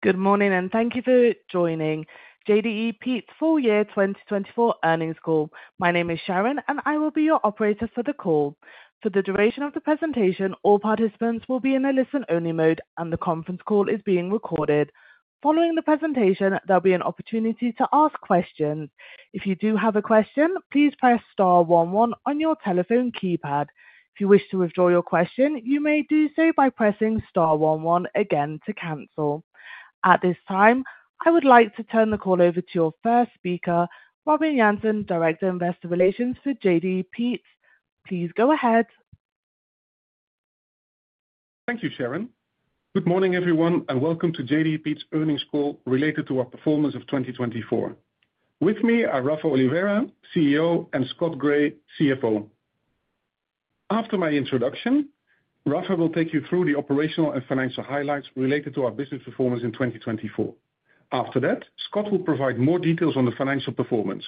Good morning, and thank you for joining JDE Peet's Full Year 2024 Earnings Call. My name is Sharon, and I will be your operator for the call. For the duration of the presentation, all participants will be in a listen-only mode, and the conference call is being recorded. Following the presentation, there'll be an opportunity to ask questions. If you do have a question, please press star one, one on your telephone keypad. If you wish to withdraw your question, you may do so by pressing star one, one again to cancel. At this time, I would like to turn the call over to your first speaker, Robin Jansen, Director of Investor Relations for JDE Peet's. Please go ahead. Thank you, Sharon. Good morning, everyone, and welcome to JDE Peet's earnings call related to our performance of 2024. With me are Rafael Oliveira, CEO, and Scott Gray, CFO. After my introduction, Rafael will take you through the operational and financial highlights related to our business performance in 2024. After that, Scott will provide more details on the financial performance.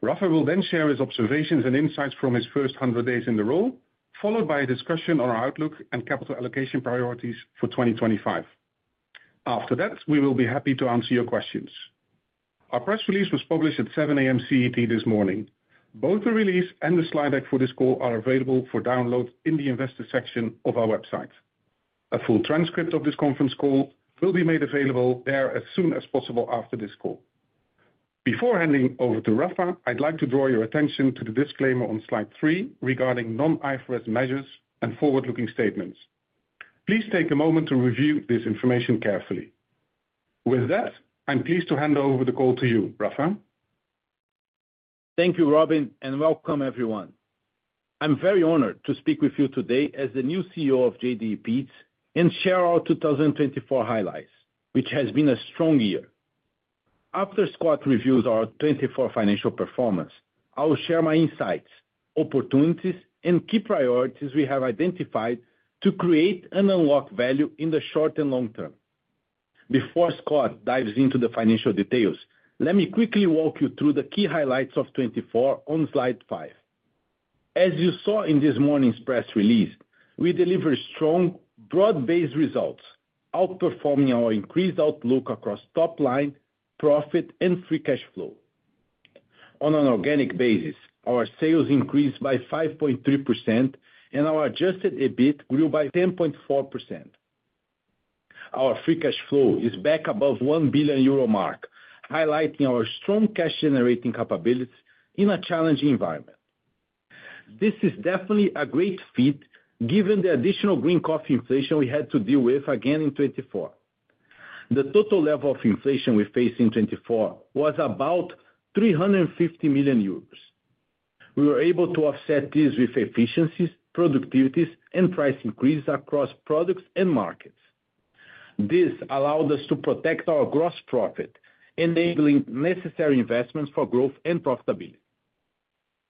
Rafael will then share his observations and insights from his first 100 days in the role, followed by a discussion on our outlook and capital allocation priorities for 2025. After that, we will be happy to answer your questions. Our press release was published at 7:00 A.M. CET this morning. Both the release and the slide deck for this call are available for download in the Investor Section of our website. A full transcript of this conference call will be made available there as soon as possible after this call. Before handing over to Rafael, I'd like to draw your attention to the disclaimer on slide three regarding non-IFRS measures and forward-looking statements. Please take a moment to review this information carefully. With that, I'm pleased to hand over the call to you, Rafael. Thank you, Robin, and welcome, everyone. I'm very honored to speak with you today as the new CEO of JDE Peet's and share our 2024 highlights, which has been a strong year. After Scott reviews our 2024 financial performance, I will share my insights, opportunities, and key priorities we have identified to create and unlock value in the short and long term. Before Scott dives into the financial details, let me quickly walk you through the key highlights of 2024 on slide five. As you saw in this morning's press release, we deliver strong, broad-based results, outperforming our increased outlook across topline, profit, and free cash flow. On an organic basis, our sales increased by 5.3%, and our adjusted EBIT grew by 10.4%. Our free cash flow is back above the 1 billion euro mark, highlighting our strong cash-generating capabilities in a challenging environment. This is definitely a great feat given the additional green coffee inflation we had to deal with again in 2024. The total level of inflation we faced in 2024 was about 350 million euros. We were able to offset this with efficiencies, productivities, and price increases across products and markets. This allowed us to protect our gross profit, enabling necessary investments for growth and profitability.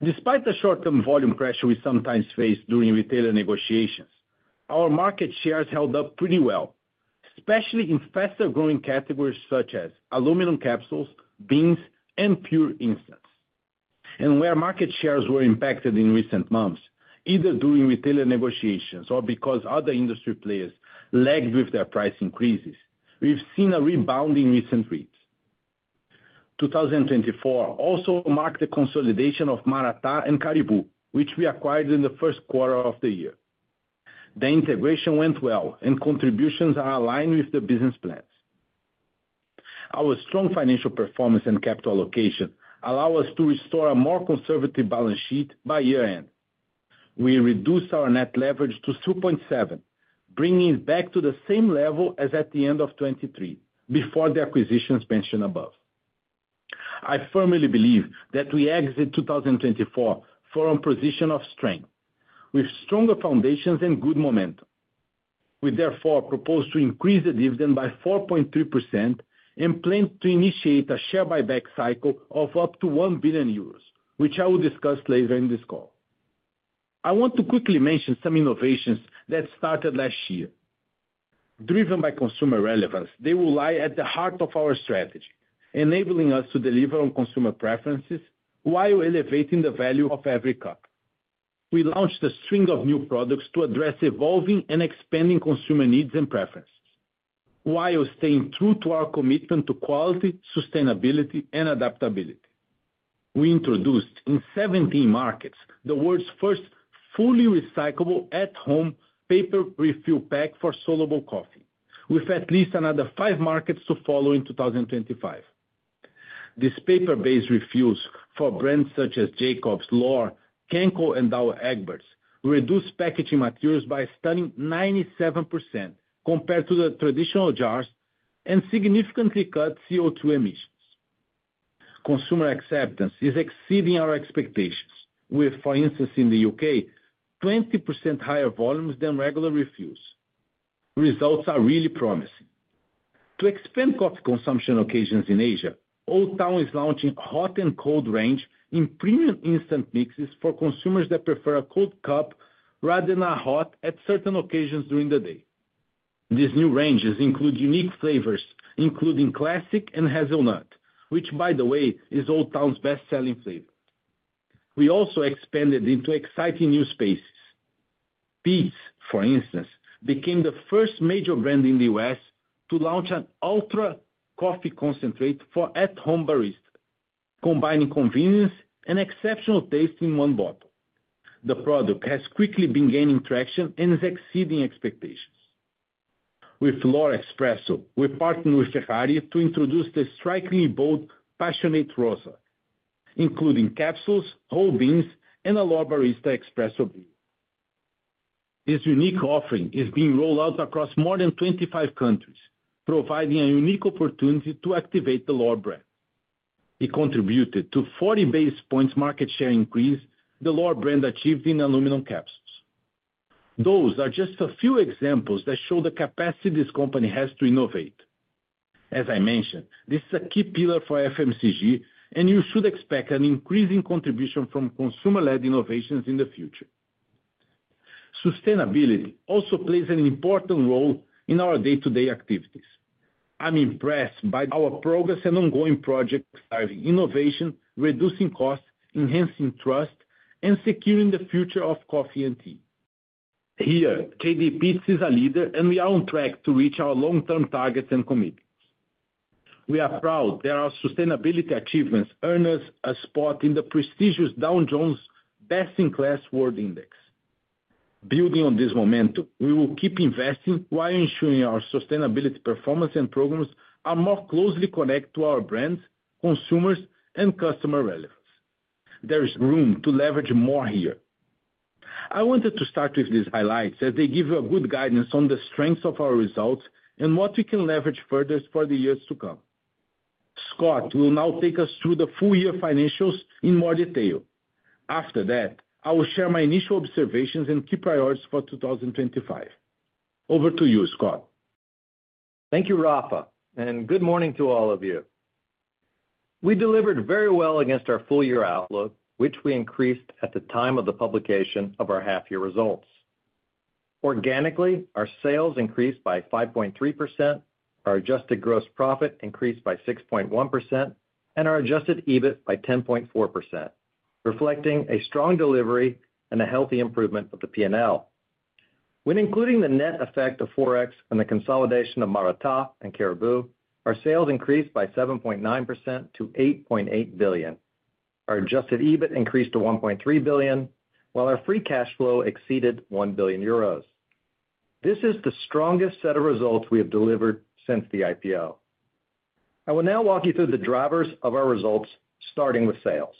Despite the short-term volume pressure we sometimes faced during retailer negotiations, our market shares held up pretty well, especially in faster-growing categories such as aluminum capsules, beans, and pure instants, and where market shares were impacted in recent months, either during retailer negotiations or because other industry players lagged with their price increases, we've seen a rebound in recent reads. 2024 also marked the consolidation of Maratá and Caribou, which we acquired in the first quarter of the year. The integration went well, and contributions are aligned with the business plans. Our strong financial performance and capital allocation allow us to restore a more conservative balance sheet by year-end. We reduced our net leverage to 2.7x, bringing it back to the same level as at the end of 2023 before the acquisitions mentioned above. I firmly believe that we exit 2024 from a position of strength with stronger foundations and good momentum. We, therefore, propose to increase the dividend by 4.3% and plan to initiate a share buyback cycle of up to 1 billion euros, which I will discuss later in this call. I want to quickly mention some innovations that started last year. Driven by consumer relevance, they will lie at the heart of our strategy, enabling us to deliver on consumer preferences while elevating the value of every cup. We launched a string of new products to address evolving and expanding consumer needs and preferences, while staying true to our commitment to quality, sustainability, and adaptability. We introduced in 17 markets the world's first fully recyclable at-home paper refill pack for soluble coffee, with at least another five markets to follow in 2025. This paper-based refills for brands such as Jacobs, L'OR, Kenco, and Douwe Egberts reduced packaging materials by a stunning 97% compared to the traditional jars and significantly cut CO2 emissions. Consumer acceptance is exceeding our expectations, with, for instance, in the U.K., 20% higher volumes than regular refills. Results are really promising. To expand coffee consumption occasions in Asia, OldTown is launching hot and cold range in premium instant mixes for consumers that prefer a cold cup rather than a hot at certain occasions during the day. These new ranges include unique flavors, including Classic and Hazelnut, which, by the way, is OldTown's best-selling flavor. We also expanded into exciting new spaces. Peet's, for instance, became the first major brand in the U.S. to launch an Ultra Coffee concentrate for at-home barista, combining convenience and exceptional taste in one bottle. The product has quickly been gaining traction and is exceeding expectations. With L'OR Espresso, we're partnering with Ferrari to introduce the strikingly bold Passione Rossa, including capsules, whole beans, and a L'OR Barista espresso brewer. This unique offering is being rolled out across more than 25 countries, providing a unique opportunity to activate the L'OR brand. It contributed to 40 basis points market share increase the L'OR brand achieved in aluminum capsules. Those are just a few examples that show the capacity this company has to innovate. As I mentioned, this is a key pillar for FMCG, and you should expect an increasing contribution from consumer-led innovations in the future. Sustainability also plays an important role in our day-to-day activities. I'm impressed by our progress and ongoing projects driving innovation, reducing costs, enhancing trust, and securing the future of coffee and tea. Here, JDE Peet's is a leader, and we are on track to reach our long-term targets and commitments. We are proud that our sustainability achievements earn us a spot in the prestigious Dow Jones Best-in-Class World Index. Building on this momentum, we will keep investing while ensuring our sustainability performance and programs are more closely connected to our brands, consumers, and customer relevance. There is room to leverage more here. I wanted to start with these highlights as they give you a good guidance on the strengths of our results and what we can leverage further for the years to come. Scott will now take us through the full-year financials in more detail. After that, I will share my initial observations and key priorities for 2025. Over to you, Scott. Thank you, Rafa, and good morning to all of you. We delivered very well against our full-year outlook, which we increased at the time of the publication of our half-year results. Organically, our sales increased by 5.3%, our adjusted gross profit increased by 6.1%, and our adjusted EBIT by 10.4%, reflecting a strong delivery and a healthy improvement of the P&L. When including the net effect of Forex and the consolidation of Maratá and Caribou, our sales increased by 7.9% to 8.8 billion. Our adjusted EBIT increased to 1.3 billion, while our free cash flow exceeded 1 billion euros. This is the strongest set of results we have delivered since the IPO. I will now walk you through the drivers of our results, starting with sales.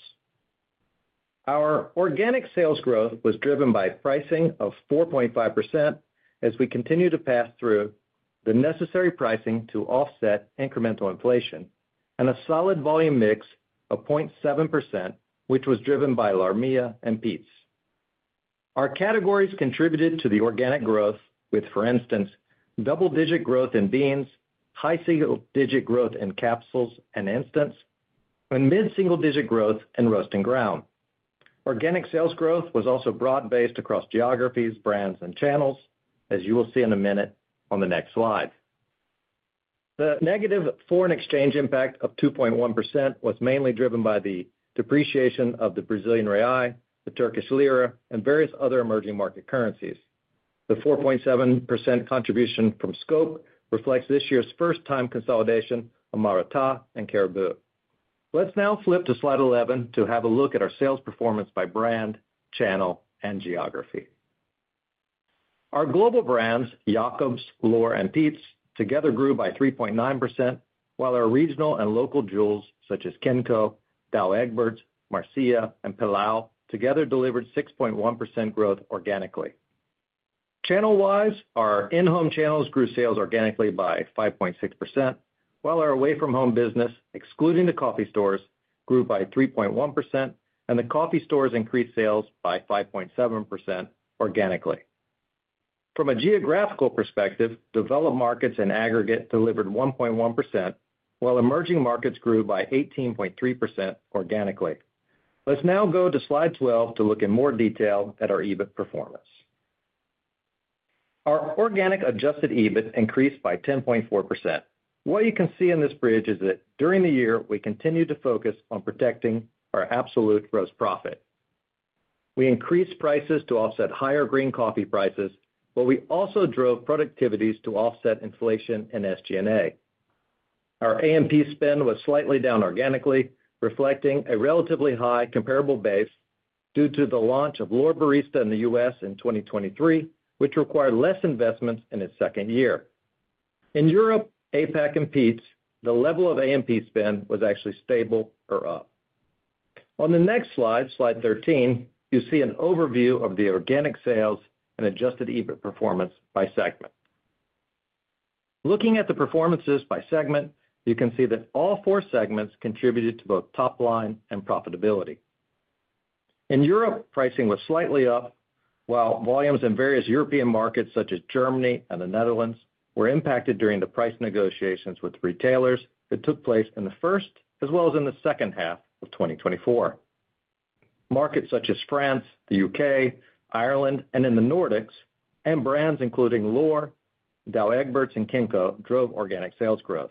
Our organic sales growth was driven by pricing of 4.5% as we continued to pass through the necessary pricing to offset incremental inflation and a solid volume mix of 0.7%, which was driven by LARMEA and Peet's. Our categories contributed to the organic growth with, for instance, double-digit growth in beans, high single-digit growth in capsules and instants, and mid-single-digit growth in roast and ground. Organic sales growth was also broad-based across geographies, brands, and channels, as you will see in a minute on the next slide. The negative foreign exchange impact of 2.1% was mainly driven by the depreciation of the Brazilian real, the Turkish lira, and various other emerging market currencies. The 4.7% contribution from scope reflects this year's first-time consolidation of Maratá and Caribou. Let's now flip to slide 11 to have a look at our sales performance by brand, channel, and geography. Our global brands, Jacobs, L'OR, and Peet's, together grew by 3.9%, while our regional and local jewels such as Kenco, Douwe Egberts, Marcilla, and Pilão together delivered 6.1% growth organically. Channel-wise, our In-Home channels grew sales organically by 5.6%, while our Away-from-Home business, excluding the coffee stores, grew by 3.1%, and the coffee stores increased sales by 5.7% organically. From a geographical perspective, developed markets in aggregate delivered 1.1%, while emerging markets grew by 18.3% organically. Let's now go to slide 12 to look in more detail at our EBIT performance. Our organic Adjusted EBIT increased by 10.4%. What you can see in this bridge is that during the year, we continued to focus on protecting our absolute gross profit. We increased prices to offset higher green coffee prices, but we also drove productivities to offset inflation and SG&A. Our A&P spend was slightly down organically, reflecting a relatively high comparable base due to the launch of L'OR Barista in the U.S. in 2023, which required less investments in its second year. In Europe, APAC and Peet's, the level of A&P spend was actually stable or up. On the next slide, slide 13, you see an overview of the organic sales and adjusted EBIT performance by segment. Looking at the performances by segment, you can see that all four segments contributed to both top line and profitability. In Europe, pricing was slightly up, while volumes in various European markets such as Germany and the Netherlands were impacted during the price negotiations with retailers that took place in the first as well as in the second half of 2024. Markets such as France, the U.K., Ireland, and in the Nordics, and brands including L'OR, Douwe Egberts, and Kenco drove organic sales growth.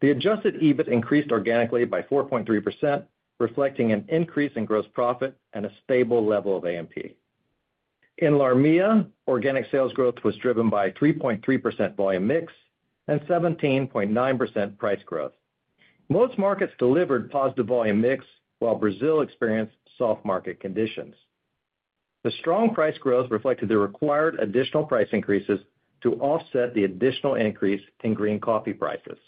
The adjusted EBIT increased organically by 4.3%, reflecting an increase in gross profit and a stable level of A&P. In LARMEA, organic sales growth was driven by a 3.3% volume mix and 17.9% price growth. Most markets delivered positive volume mix, while Brazil experienced soft market conditions. The strong price growth reflected the required additional price increases to offset the additional increase in green coffee prices.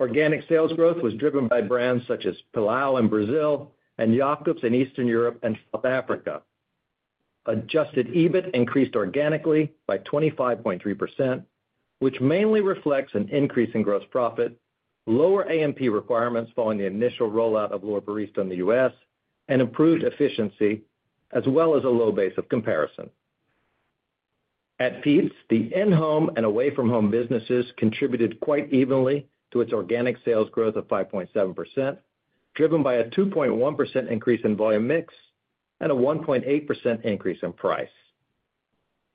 Organic sales growth was driven by brands such as Pilão in Brazil and Jacobs in Eastern Europe and South Africa. Adjusted EBIT increased organically by 25.3%, which mainly reflects an increase in gross profit, lower A&P requirements following the initial rollout of L'OR Barista in the U.S., and improved efficiency, as well as a low base of comparison. At Peet's, the In-Home and Away-from-Home businesses contributed quite evenly to its organic sales growth of 5.7%, driven by a 2.1% increase in volume mix and a 1.8% increase in price.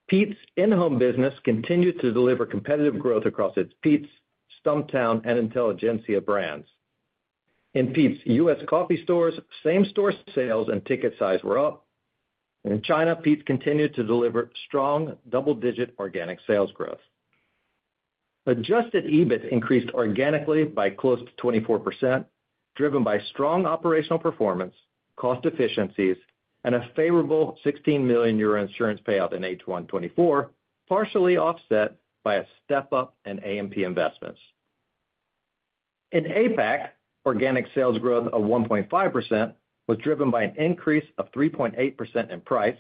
Peet's In-Home business continued to deliver competitive growth across its Peet's, Stumptown, and Intelligentsia brands. In Peet's U.S. coffee stores, same-store sales and ticket size were up. In China, Peet's continued to deliver strong double-digit organic sales growth. Adjusted EBIT increased organically by close to 24%, driven by strong operational performance, cost efficiencies, and a favorable 16 million euro insurance payout in H1 24, partially offset by a step-up in A&P investments. In APAC, organic sales growth of 1.5% was driven by an increase of 3.8% in price,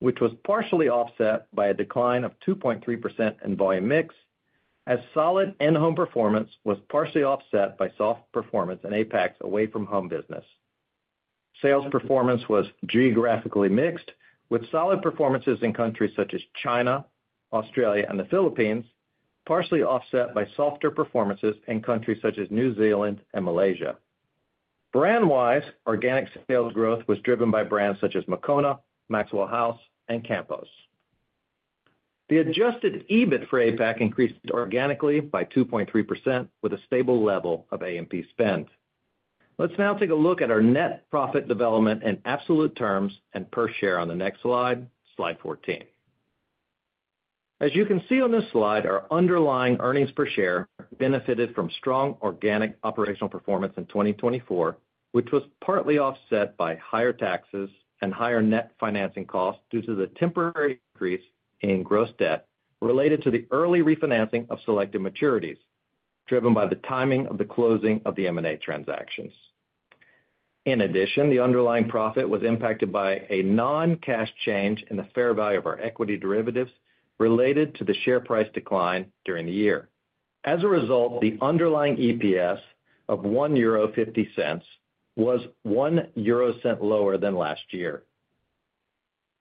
which was partially offset by a decline of 2.3% in volume mix, as solid In-Home performance was partially offset by soft performance in APAC's Away-from-Home business. Sales performance was geographically mixed, with solid performances in countries such as China, Australia, and the Philippines, partially offset by softer performances in countries such as New Zealand and Malaysia. Brand-wise, organic sales growth was driven by brands such as Moccona, Maxwell House, and Campos. The adjusted EBIT for APAC increased organically by 2.3%, with a stable level of A&P spend. Let's now take a look at our net profit development in absolute terms and per share on the next slide, slide 14. As you can see on this slide, our underlying earnings per share benefited from strong organic operational performance in 2024, which was partly offset by higher taxes and higher net financing costs due to the temporary increase in gross debt related to the early refinancing of selected maturities, driven by the timing of the closing of the M&A transactions. In addition, the underlying profit was impacted by a non-cash change in the fair value of our equity derivatives related to the share price decline during the year. As a result, the underlying EPS of 1.50 euro was 0.01 lower than last year.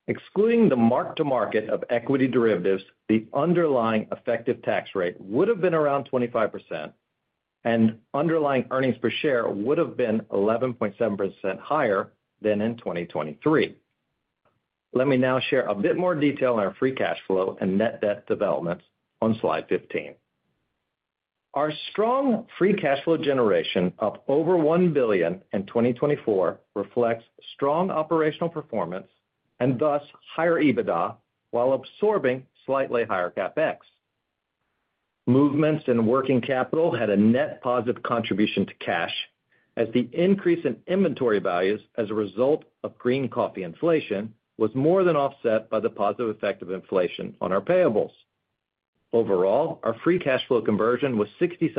Excluding the mark-to-market of equity derivatives, the underlying effective tax rate would have been around 25%, and underlying earnings per share would have been 11.7% higher than in 2023. Let me now share a bit more detail on our free cash flow and net debt developments on slide 15. Our strong free cash flow generation of over 1 billion in 2024 reflects strong operational performance and thus higher EBITDA, while absorbing slightly higher CapEx. Movements in working capital had a net positive contribution to cash, as the increase in inventory values as a result of green coffee inflation was more than offset by the positive effect of inflation on our payables. Overall, our free cash flow conversion was 67%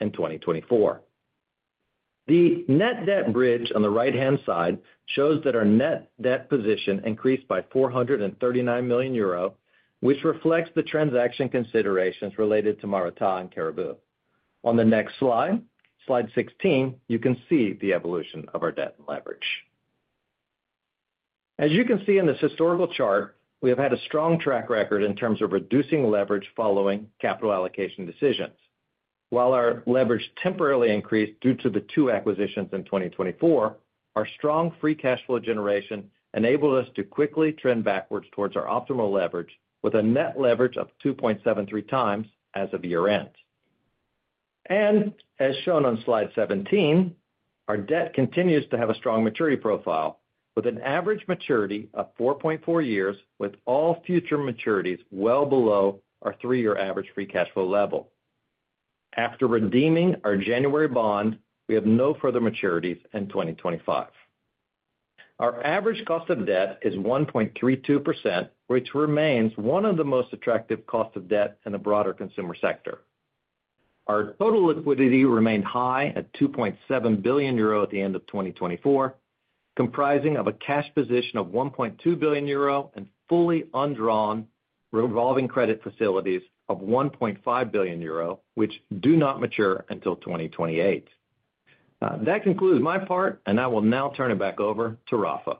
in 2024. The net debt bridge on the right-hand side shows that our net debt position increased by 439 million euro, which reflects the transaction considerations related to Maratá and Caribou. On the next slide, slide 16, you can see the evolution of our debt and leverage. As you can see in this historical chart, we have had a strong track record in terms of reducing leverage following capital allocation decisions. While our leverage temporarily increased due to the two acquisitions in 2024, our strong free cash flow generation enabled us to quickly trend backwards towards our optimal leverage, with a net leverage of 2.73x as of year-end, and as shown on slide 17, our debt continues to have a strong maturity profile, with an average maturity of 4.4 years, with all future maturities well below our three-year average free cash flow level. After redeeming our January bond, we have no further maturities in 2025. Our average cost of debt is 1.32%, which remains one of the most attractive costs of debt in the broader consumer sector. Our total liquidity remained high at 2.7 billion euro at the end of 2024, comprising of a cash position of 1.2 billion euro and fully undrawn revolving credit facilities of 1.5 billion euro, which do not mature until 2028. That concludes my part, and I will now turn it back over to Rafa.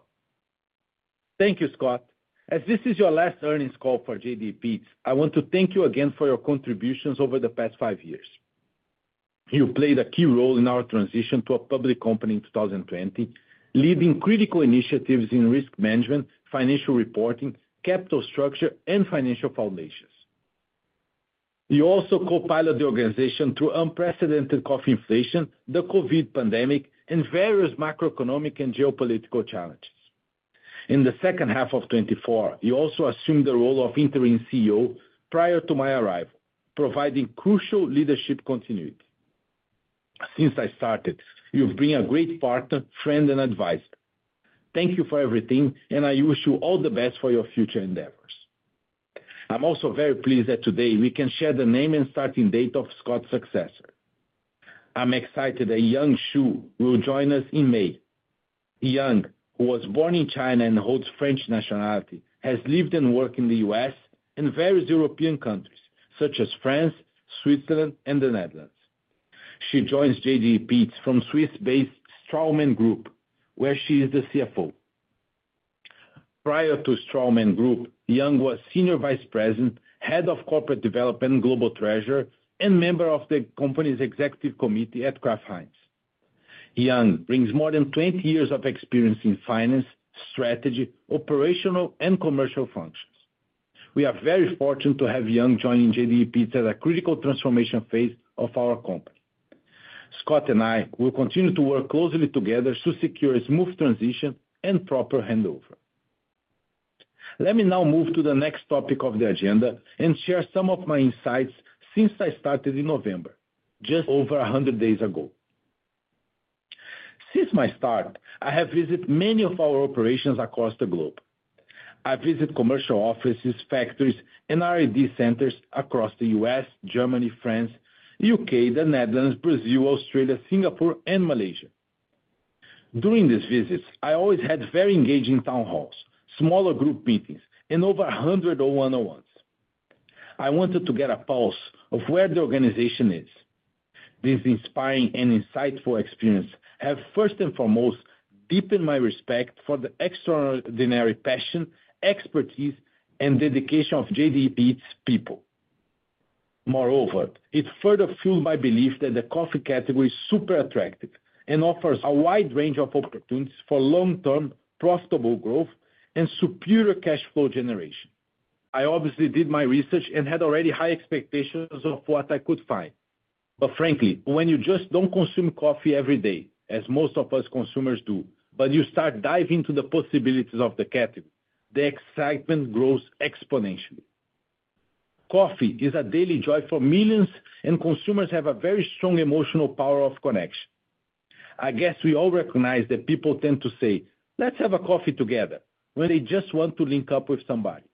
Thank you, Scott. As this is your last earnings call for JDE Peet's, I want to thank you again for your contributions over the past five years. You played a key role in our transition to a public company in 2020, leading critical initiatives in risk management, financial reporting, capital structure, and financial foundations. You also co-piloted the organization through unprecedented coffee inflation, the COVID pandemic, and various macroeconomic and geopolitical challenges. In the second half of 2024, you also assumed the role of interim CEO prior to my arrival, providing crucial leadership continuity. Since I started, you've been a great partner, friend, and advisor. Thank you for everything, and I wish you all the best for your future endeavors. I'm also very pleased that today we can share the name and starting date of Scott's successor. I'm excited that Yang Xu will join us in May. Yang, who was born in China and holds French nationality, has lived and worked in the U.S. and various European countries such as France, Switzerland, and the Netherlands. She joins JDE Peet's from Swiss-based Straumann Group, where she is the CFO. Prior to Straumann Group, Yang was Senior Vice President, Head of Corporate Development, Global Treasurer, and member of the company's executive committee at Kraft Heinz. Yang brings more than 20 years of experience in finance, strategy, operational, and commercial functions. We are very fortunate to have Yang joining JDE Peet's at a critical transformation phase of our company. Scott and I will continue to work closely together to secure a smooth transition and proper handover. Let me now move to the next topic of the agenda and share some of my insights since I started in November, just over 100 days ago. Since my start, I have visited many of our operations across the globe. I visit commercial offices, factories, and R&D centers across the U.S., Germany, France, the U.K., the Netherlands, Brazil, Australia, Singapore, and Malaysia. During these visits, I always had very engaging town halls, smaller group meetings, and over 100 one-on-ones. I wanted to get a pulse of where the organization is. This inspiring and insightful experience has, first and foremost, deepened my respect for the extraordinary passion, expertise, and dedication of JDE Peet's people. Moreover, it further fueled my belief that the coffee category is super attractive and offers a wide range of opportunities for long-term profitable growth and superior cash flow generation. I obviously did my research and had already high expectations of what I could find. But frankly, when you just don't consume coffee every day, as most of us consumers do, but you start diving into the possibilities of the category, the excitement grows exponentially. Coffee is a daily joy for millions, and consumers have a very strong emotional power of connection. I guess we all recognize that people tend to say, "Let's have a coffee together," when they just want to link up with somebody.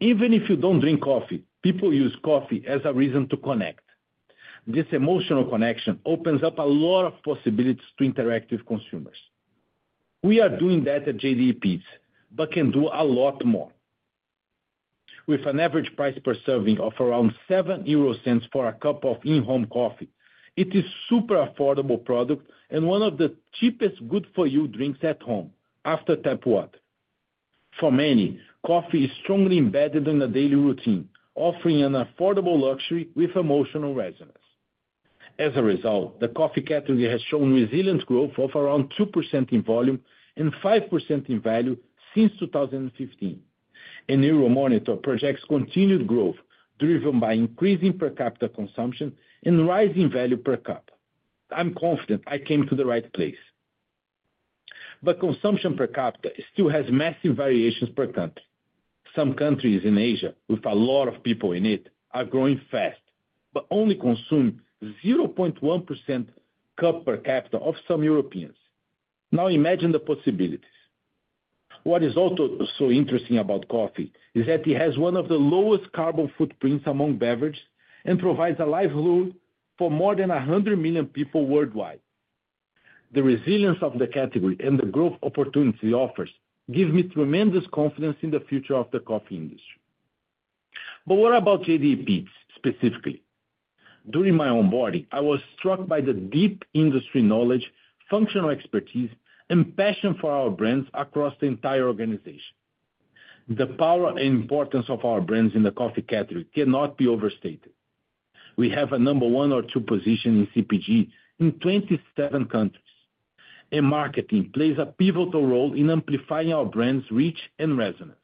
Even if you don't drink coffee, people use coffee as a reason to connect. This emotional connection opens up a lot of possibilities to interact with consumers. We are doing that at JDE Peet's, but can do a lot more. With an average price per serving of around 0.07 for a cup of In-Home coffee, it is a super affordable product and one of the cheapest good-for-you drinks at home, after tap water. For many, coffee is strongly embedded in the daily routine, offering an affordable luxury with emotional resonance. As a result, the coffee category has shown resilient growth of around 2% in volume and 5% in value since 2015. Euromonitor projects continued growth driven by increasing per capita consumption and rising value per cup. I'm confident I came to the right place. But consumption per capita still has massive variations per country. Some countries in Asia, with a lot of people in it, are growing fast, but only consume 0.1% cup per capita of some Europeans. Now imagine the possibilities. What is also so interesting about coffee is that it has one of the lowest carbon footprints among beverages and provides a livelihood for more than 100 million people worldwide. The resilience of the category and the growth opportunities it offers give me tremendous confidence in the future of the coffee industry. But what about JDE Peet's specifically? During my onboarding, I was struck by the deep industry knowledge, functional expertise, and passion for our brands across the entire organization. The power and importance of our brands in the coffee category cannot be overstated. We have a number one or two position in CPG in 27 countries, and marketing plays a pivotal role in amplifying our brand's reach and resonance.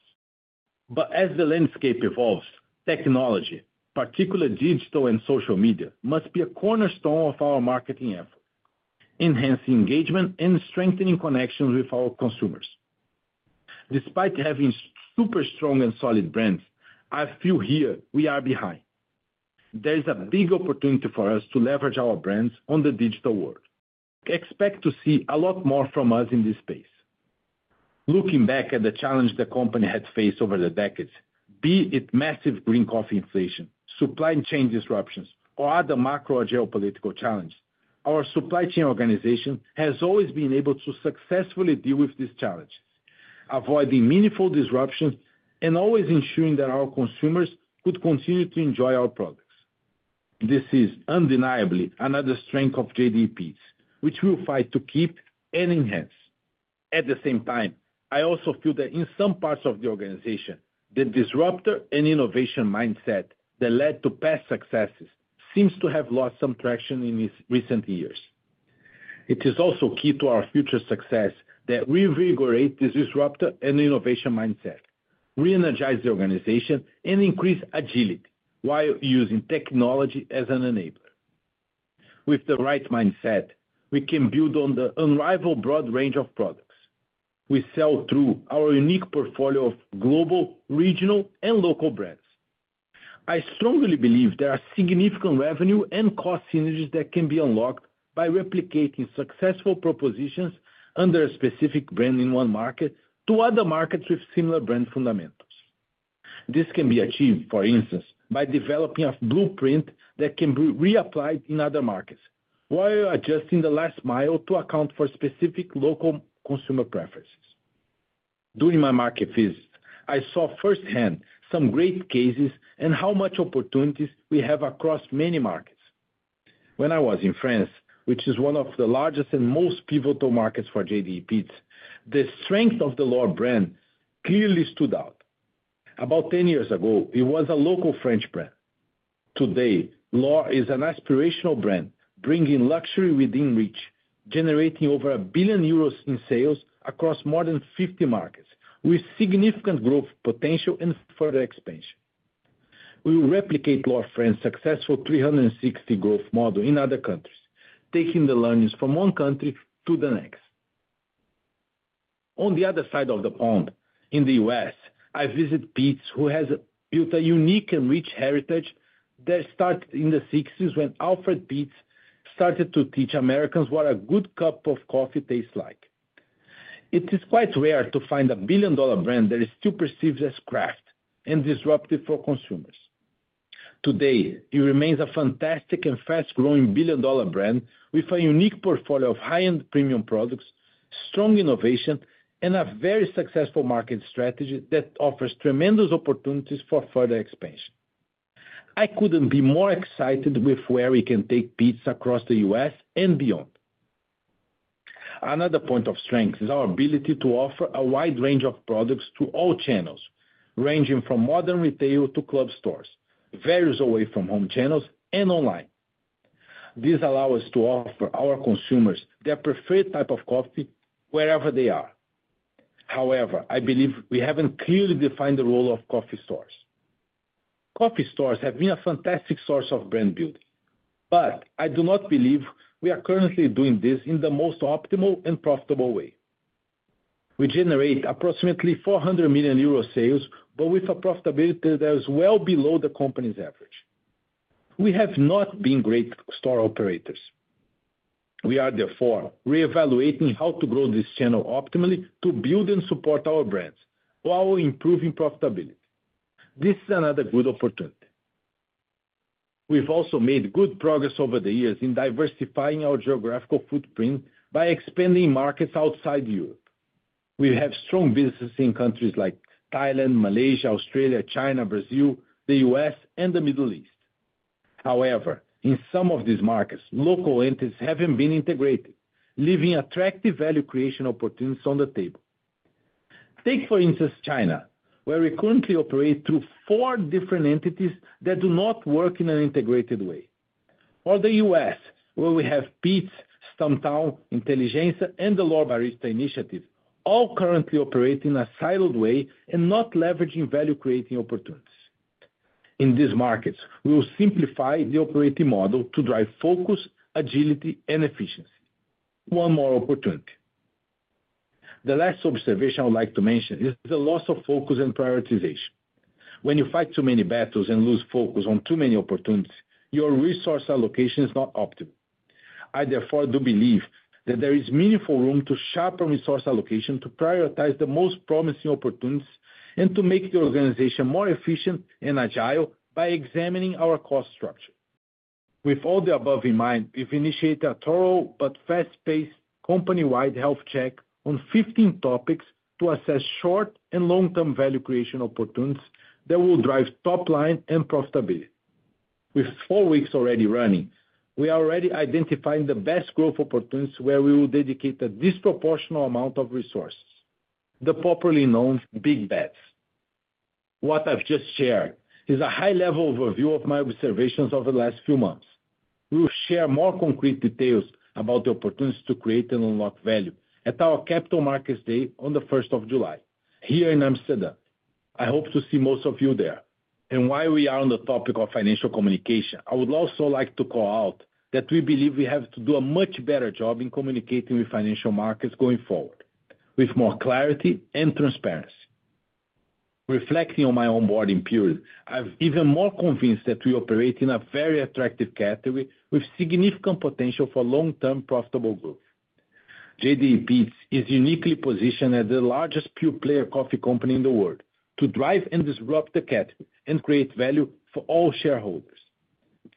But as the landscape evolves, technology, particularly digital and social media, must be a cornerstone of our marketing effort, enhancing engagement and strengthening connections with our consumers. Despite having super strong and solid brands, I feel here we are behind. There is a big opportunity for us to leverage our brands on the digital world. Expect to see a lot more from us in this space. Looking back at the challenges the company has faced over the decades, be it massive green coffee inflation, supply chain disruptions, or other macro-geopolitical challenges, our supply chain organization has always been able to successfully deal with these challenges, avoiding meaningful disruptions and always ensuring that our consumers could continue to enjoy our products. This is undeniably another strength of JDE Peet's, which we will fight to keep and enhance. At the same time, I also feel that in some parts of the organization, the disruptor and innovation mindset that led to past successes seems to have lost some traction in recent years. It is also key to our future success that we reverberate this disruptor and innovation mindset, reenergize the organization, and increase agility while using technology as an enabler. With the right mindset, we can build on the unrivaled broad range of products. We sell through our unique portfolio of global, regional, and local brands. I strongly believe there are significant revenue and cost synergies that can be unlocked by replicating successful propositions under a specific brand in one market to other markets with similar brand fundamentals. This can be achieved, for instance, by developing a blueprint that can be reapplied in other markets while adjusting the last mile to account for specific local consumer preferences. During my market visits, I saw firsthand some great cases and how much opportunities we have across many markets. When I was in France, which is one of the largest and most pivotal markets for JDE Peet's, the strength of the L'OR brand clearly stood out. About 10 years ago, it was a local French brand. Today, L'OR is an aspirational brand bringing luxury within reach, generating over 1 billion euros in sales across more than 50 markets with significant growth potential and further expansion. We will replicate L'OR France's successful 360 growth model in other countries, taking the learnings from one country to the next. On the other side of the pond, in the U.S., I visited Peet's, who has built a unique and rich heritage that started in the 1960s when Alfred Peet started to teach Americans what a good cup of coffee tastes like. It is quite rare to find a billion-dollar brand that is still perceived as craft and disruptive for consumers. Today, it remains a fantastic and fast-growing billion-dollar brand with a unique portfolio of high-end premium products, strong innovation, and a very successful market strategy that offers tremendous opportunities for further expansion. I couldn't be more excited with where we can take Peet's across the U.S. and beyond. Another point of strength is our ability to offer a wide range of products through all channels, ranging from modern retail to club stores, various Away-from-Home channels, and online. This allows us to offer our consumers their preferred type of coffee wherever they are. However, I believe we haven't clearly defined the role of coffee stores. Coffee stores have been a fantastic source of brand building, but I do not believe we are currently doing this in the most optimal and profitable way. We generate approximately 400 million euro sales, but with a profitability that is well below the company's average. We have not been great store operators. We are, therefore, reevaluating how to grow this channel optimally to build and support our brands while improving profitability. This is another good opportunity. We've also made good progress over the years in diversifying our geographical footprint by expanding markets outside Europe. We have strong businesses in countries like Thailand, Malaysia, Australia, China, Brazil, the U.S., and the Middle East. However, in some of these markets, local entities haven't been integrated, leaving attractive value creation opportunities on the table. Take, for instance, China, where we currently operate through four different entities that do not work in an integrated way, or the U.S., where we have Peet's, Stumptown, Intelligentsia, and the L'OR Barista initiative, all currently operating in a siloed way and not leveraging value-creating opportunities. In these markets, we will simplify the operating model to drive focus, agility, and efficiency. One more opportunity. The last observation I would like to mention is the loss of focus and prioritization. When you fight too many battles and lose focus on too many opportunities, your resource allocation is not optimal. I, therefore, do believe that there is meaningful room to sharpen resource allocation to prioritize the most promising opportunities and to make the organization more efficient and agile by examining our cost structure. With all the above in mind, we've initiated a thorough but fast-paced company-wide health check on 15 topics to assess short and long-term value creation opportunities that will drive top line and profitability. With four weeks already running, we are already identifying the best growth opportunities where we will dedicate a disproportional amount of resources: the properly known big bets. What I've just shared is a high-level overview of my observations over the last few months. We will share more concrete details about the opportunities to create and unlock value at our Capital Markets Day on the 1st of July, here in Amsterdam. I hope to see most of you there. And while we are on the topic of financial communication, I would also like to call out that we believe we have to do a much better job in communicating with financial markets going forward, with more clarity and transparency. Reflecting on my onboarding period, I'm even more convinced that we operate in a very attractive category with significant potential for long-term profitable growth. JDE Peet's is uniquely positioned as the largest pure-player coffee company in the world to drive and disrupt the category and create value for all shareholders.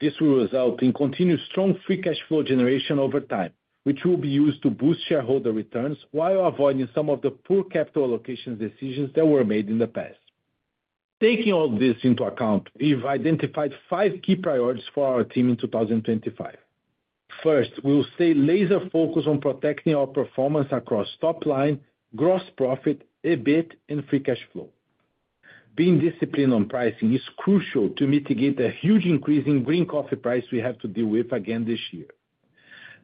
This will result in continued strong free cash flow generation over time, which will be used to boost shareholder returns while avoiding some of the poor capital allocation decisions that were made in the past. Taking all this into account, we've identified five key priorities for our team in 2025. First, we will stay laser-focused on protecting our performance across top line, gross profit, EBIT, and free cash flow. Being disciplined on pricing is crucial to mitigate the huge increase in green coffee prices we have to deal with again this year.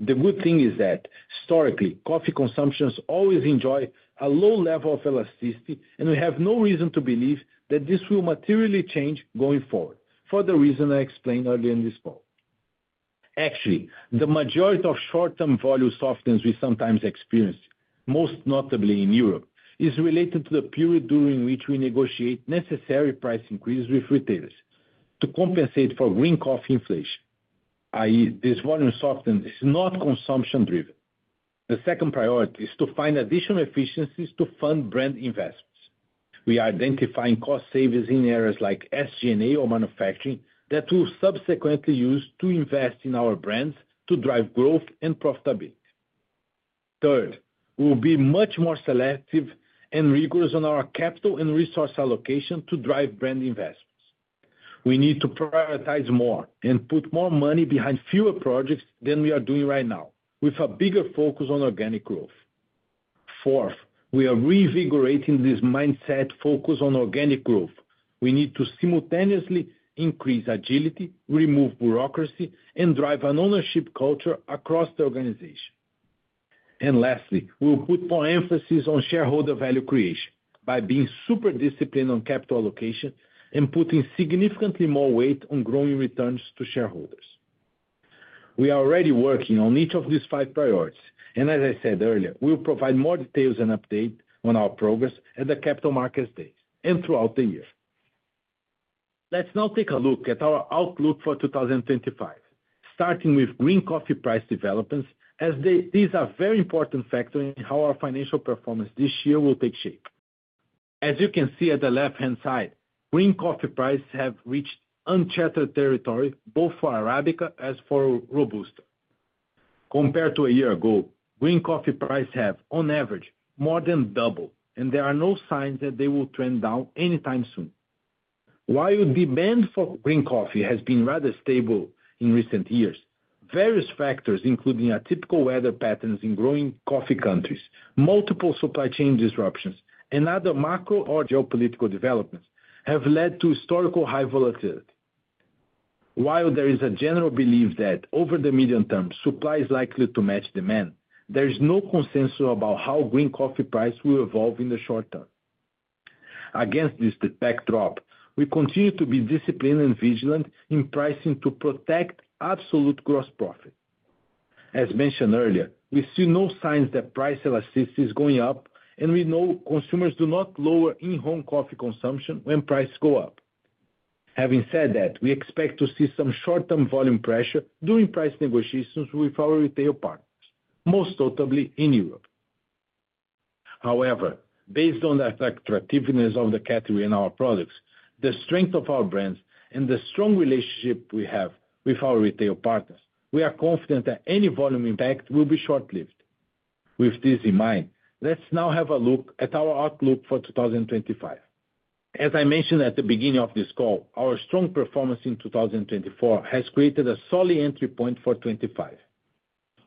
The good thing is that, historically, coffee consumption has always enjoyed a low level of elasticity, and we have no reason to believe that this will materially change going forward, for the reason I explained earlier in this call. Actually, the majority of short-term volume softness we sometimes experience, most notably in Europe, is related to the period during which we negotiate necessary price increases with retailers to compensate for green coffee inflation. i.e., this volume softness is not consumption-driven. The second priority is to find additional efficiencies to fund brand investments. We are identifying cost savings in areas like SG&A or manufacturing that we will subsequently use to invest in our brands to drive growth and profitability. Third, we will be much more selective and rigorous on our capital and resource allocation to drive brand investments. We need to prioritize more and put more money behind fewer projects than we are doing right now, with a bigger focus on organic growth. Fourth, we are reinforcing this mindset focused on organic growth. We need to simultaneously increase agility, remove bureaucracy, and drive an ownership culture across the organization. Lastly, we will put more emphasis on shareholder value creation by being super disciplined on capital allocation and putting significantly more weight on growing returns to shareholders. We are already working on each of these five priorities, and as I said earlier, we will provide more details and updates on our progress at the Capital Markets Day and throughout the year. Let's now take a look at our outlook for 2025, starting with green coffee price developments, as these are very important factors in how our financial performance this year will take shape. As you can see at the left-hand side, green coffee prices have reached uncharted territory, both for Arabica as for Robusta. Compared to a year ago, green coffee prices have, on average, more than doubled, and there are no signs that they will trend down anytime soon. While demand for green coffee has been rather stable in recent years, various factors, including atypical weather patterns in growing coffee countries, multiple supply chain disruptions, and other macro or geopolitical developments, have led to historically high volatility. While there is a general belief that over the medium term, supply is likely to match demand, there is no consensus about how green coffee prices will evolve in the short term. Against this backdrop, we continue to be disciplined and vigilant in pricing to protect absolute gross profit. As mentioned earlier, we see no signs that price elasticity is going up, and we know consumers do not lower In-Home coffee consumption when prices go up. Having said that, we expect to see some short-term volume pressure during price negotiations with our retail partners, most notably in Europe. However, based on the attractiveness of the category and our products, the strength of our brands, and the strong relationship we have with our retail partners, we are confident that any volume impact will be short-lived. With this in mind, let's now have a look at our outlook for 2025. As I mentioned at the beginning of this call, our strong performance in 2024 has created a solid entry point for 2025.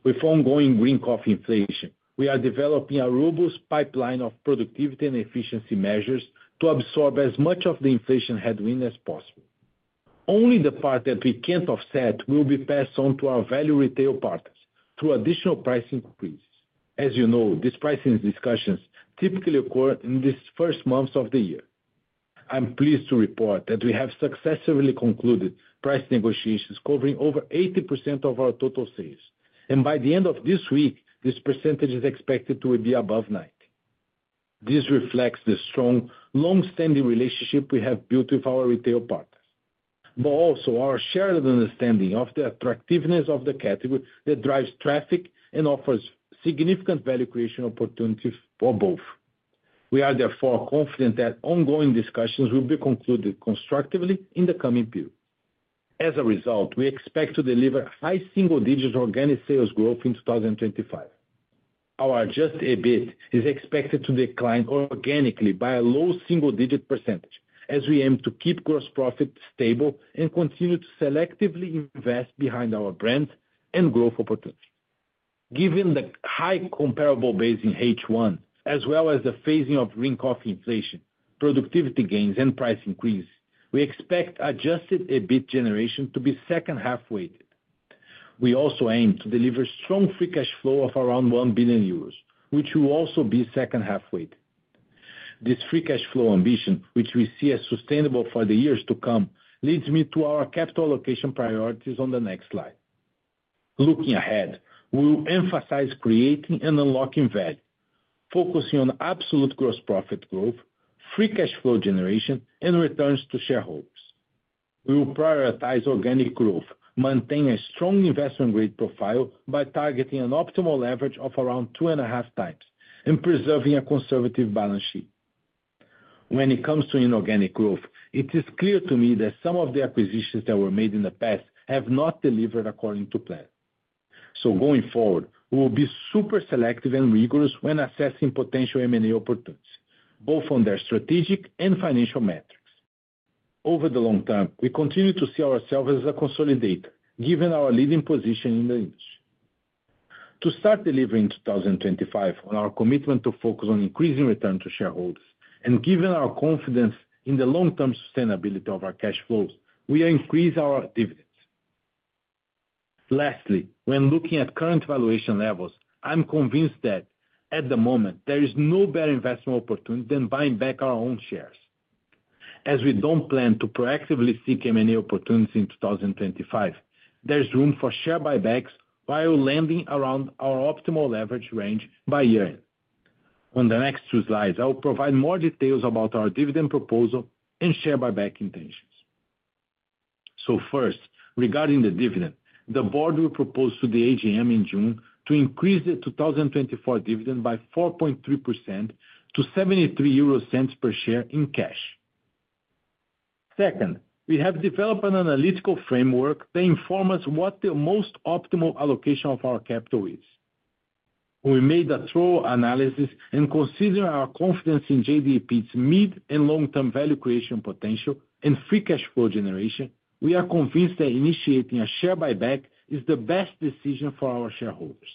With ongoing green coffee inflation, we are developing a robust pipeline of productivity and efficiency measures to absorb as much of the inflation headwind as possible. Only the part that we can't offset will be passed on to our valued retail partners through additional price increases. As you know, these pricing discussions typically occur in these first months of the year. I'm pleased to report that we have successfully concluded price negotiations covering over 80% of our total sales, and by the end of this week, this percentage is expected to be above 90%. This reflects the strong, long-standing relationship we have built with our retail partners, but also our shared understanding of the attractiveness of the category that drives traffic and offers significant value creation opportunities for both. We are, therefore, confident that ongoing discussions will be concluded constructively in the coming period. As a result, we expect to deliver high single-digit organic sales growth in 2025. Our Adjusted EBIT is expected to decline organically by a low single-digit percentage, as we aim to keep gross profit stable and continue to selectively invest behind our brands and growth opportunities. Given the high comparable base in H1, as well as the phasing of green coffee inflation, productivity gains, and price increases, we expect Adjusted EBIT generation to be second-half weighted. We also aim to deliver strong free cash flow of around 1 billion euros, which will also be second-half weighted. This free cash flow ambition, which we see as sustainable for the years to come, leads me to our capital allocation priorities on the next slide. Looking ahead, we will emphasize creating and unlocking value, focusing on absolute gross profit growth, free cash flow generation, and returns to shareholders. We will prioritize organic growth, maintain a strong investment-grade profile by targeting an optimal leverage of around two and a half times, and preserving a conservative balance sheet. When it comes to inorganic growth, it is clear to me that some of the acquisitions that were made in the past have not delivered according to plan. So, going forward, we will be super selective and rigorous when assessing potential M&A opportunities, both on their strategic and financial metrics. Over the long term, we continue to see ourselves as a consolidator, given our leading position in the industry. To start delivering in 2025 on our commitment to focus on increasing returns to shareholders, and given our confidence in the long-term sustainability of our cash flows, we are increasing our dividends. Lastly, when looking at current valuation levels, I'm convinced that, at the moment, there is no better investment opportunity than buying back our own shares. As we don't plan to proactively seek M&A opportunities in 2025, there's room for share buybacks while landing around our optimal leverage range by year-end. On the next two slides, I will provide more details about our dividend proposal and share buyback intentions. So, first, regarding the dividend, the board will propose to the AGM in June to increase the 2024 dividend by 4.3% to 0.73 per share in cash. Second, we have developed an analytical framework that informs us what the most optimal allocation of our capital is. We made a thorough analysis, and considering our confidence in JDE Peet's mid and long-term value creation potential and free cash flow generation, we are convinced that initiating a share buyback is the best decision for our shareholders.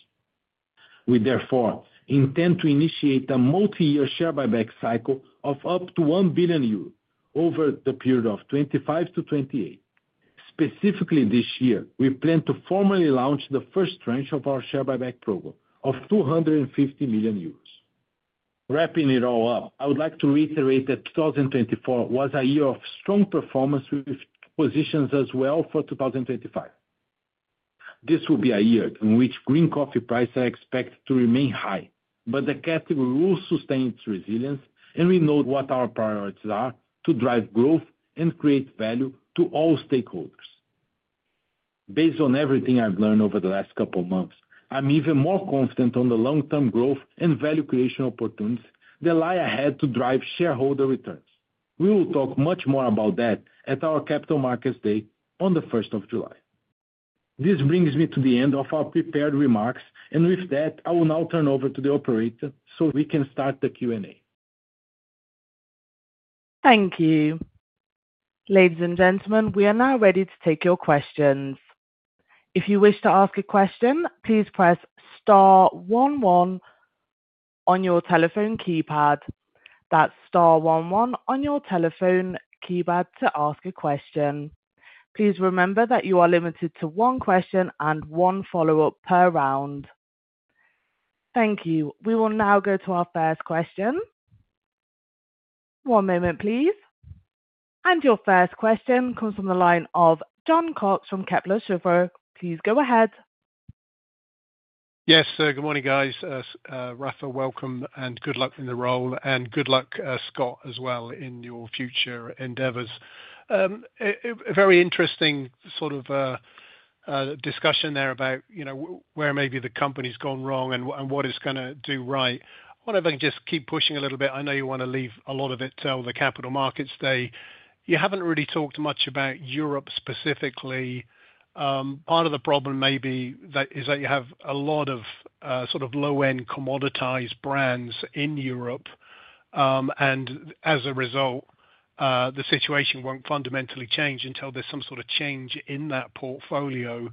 We, therefore, intend to initiate a multi-year share buyback cycle of up to 1 billion euros over the period of 2025 to 2028. Specifically, this year, we plan to formally launch the first tranche of our share buyback program of 250 million euros. Wrapping it all up, I would like to reiterate that 2024 was a year of strong performance with positions as well for 2025. This will be a year in which green coffee prices are expected to remain high, but the category will sustain its resilience, and we know what our priorities are to drive growth and create value to all stakeholders. Based on everything I've learned over the last couple of months, I'm even more confident on the long-term growth and value creation opportunities that lie ahead to drive shareholder returns. We will talk much more about that at our Capital Markets Day on the 1st of July. This brings me to the end of our prepared remarks, and with that, I will now turn over to the operator so we can start the Q&A. Thank you. Ladies and gentlemen, we are now ready to take your questions. If you wish to ask a question, please press star one, one on your telephone keypad. That's star one, one on your telephone keypad to ask a question. Please remember that you are limited to one question and one follow-up per round. Thank you. We will now go to our first question. One moment, please. And your first question comes from the line of Jon Cox from Kepler Cheuvreux. Please go ahead. Yes, good morning, guys. Rafa, welcome, and good luck in the role, and good luck, Scott, as well in your future endeavors. A very interesting sort of discussion there about where maybe the company's gone wrong and what it's going to do right. I wonder if I can just keep pushing a little bit. I know you want to leave a lot of it to the Capital Markets Day. You haven't really talked much about Europe specifically. Part of the problem maybe is that you have a lot of sort of low-end commoditized brands in Europe, and as a result, the situation won't fundamentally change until there's some sort of change in that portfolio.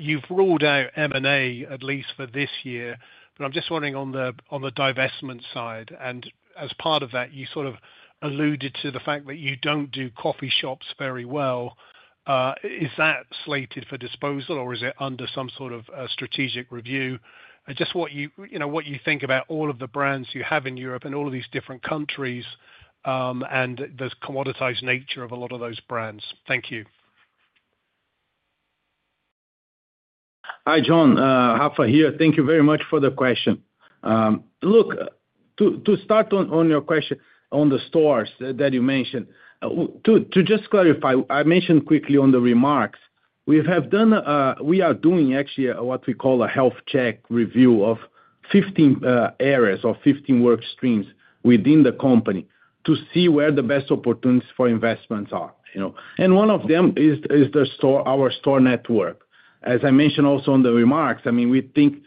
You've ruled out M&A, at least for this year, but I'm just wondering on the divestment side, and as part of that, you sort of alluded to the fact that you don't do coffee shops very well. Is that slated for disposal, or is it under some sort of strategic review? Just what you think about all of the brands you have in Europe and all of these different countries and the commoditized nature of a lot of those brands. Thank you. Hi, Jon. Rafa here. Thank you very much for the question. Look, to start on your question on the stores that you mentioned, to just clarify, I mentioned quickly on the remarks, we have done a—we are doing, actually, what we call a health check review of 15 areas or 15 workstreams within the company to see where the best opportunities for investments are. And one of them is our store network. As I mentioned also on the remarks, I mean, we think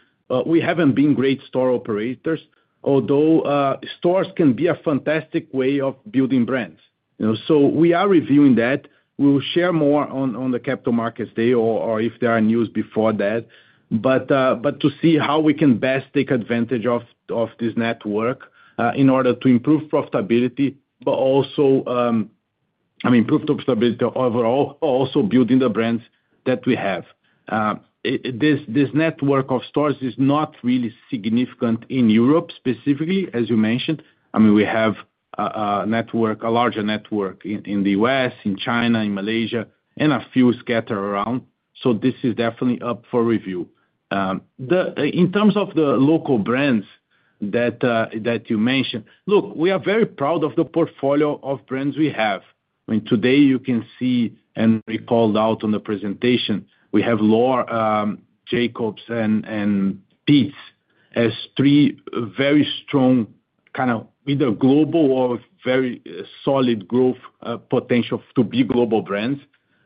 we haven't been great store operators, although stores can be a fantastic way of building brands. So we are reviewing that. We will share more on the Capital Markets Day or if there are news before that, but to see how we can best take advantage of this network in order to improve profitability, but also, I mean, improve profitability overall, also building the brands that we have. This network of stores is not really significant in Europe specifically, as you mentioned. I mean, we have a network, a larger network in the U.S., in China, in Malaysia, and a few scattered around, so this is definitely up for review. In terms of the local brands that you mentioned, look, we are very proud of the portfolio of brands we have. I mean, today, you can see and called out on the presentation, we have L'OR, Jacobs, and Peet's as three very strong kind of either global or very solid growth potential to be global brands.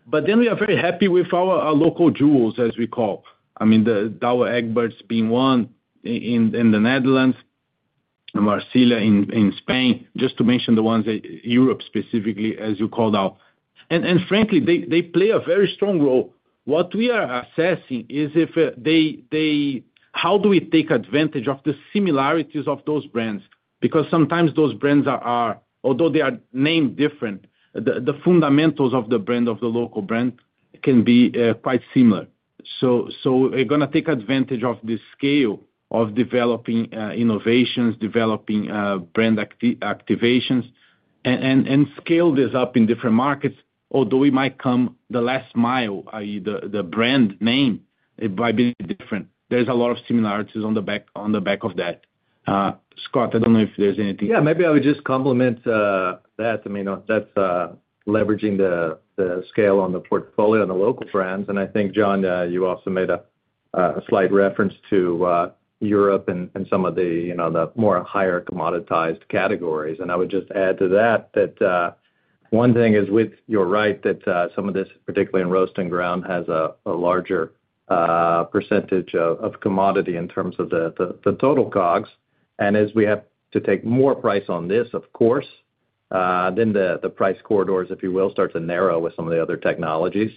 But then we are very happy with our local jewels, as we call. I mean, Douwe Egberts being one in the Netherlands, Marcilla in Spain, just to mention the ones in Europe specifically, as you called out. And frankly, they play a very strong role. What we are assessing is if they, how do we take advantage of the similarities of those brands because sometimes those brands are, although they are named different, the fundamentals of the brand of the local brand can be quite similar. So we're going to take advantage of the scale of developing innovations, developing brand activations, and scale this up in different markets, although it might come the last mile, i.e., the brand name might be different. There's a lot of similarities on the back of that. Scott, I don't know if there's anything. Yeah, maybe I would just complement that. I mean, that's leveraging the scale on the portfolio and the local brands. And I think, Jon, you also made a slight reference to Europe and some of the more higher commoditized categories. And I would just add to that that one thing is with your right that some of this, particularly in roast and ground, has a larger percentage of commodity in terms of the total COGS. And as we have to take more price on this, of course, then the price corridors, if you will, start to narrow with some of the other technologies.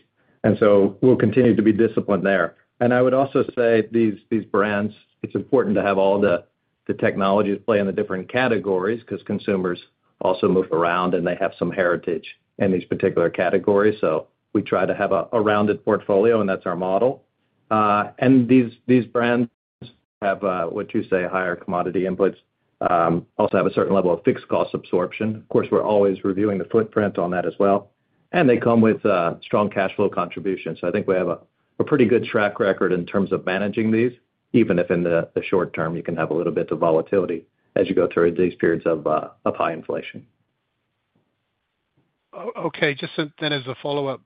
And so we'll continue to be disciplined there. And I would also say these brands, it's important to have all the technologies play in the different categories because consumers also move around and they have some heritage in these particular categories. So we try to have a rounded portfolio, and that's our model. And these brands have, what you say, higher commodity inputs, also have a certain level of fixed cost absorption. Of course, we're always reviewing the footprint on that as well. And they come with strong cash flow contributions. So I think we have a pretty good track record in terms of managing these, even if in the short term you can have a little bit of volatility as you go through these periods of high inflation. Okay. Just then as a follow-up,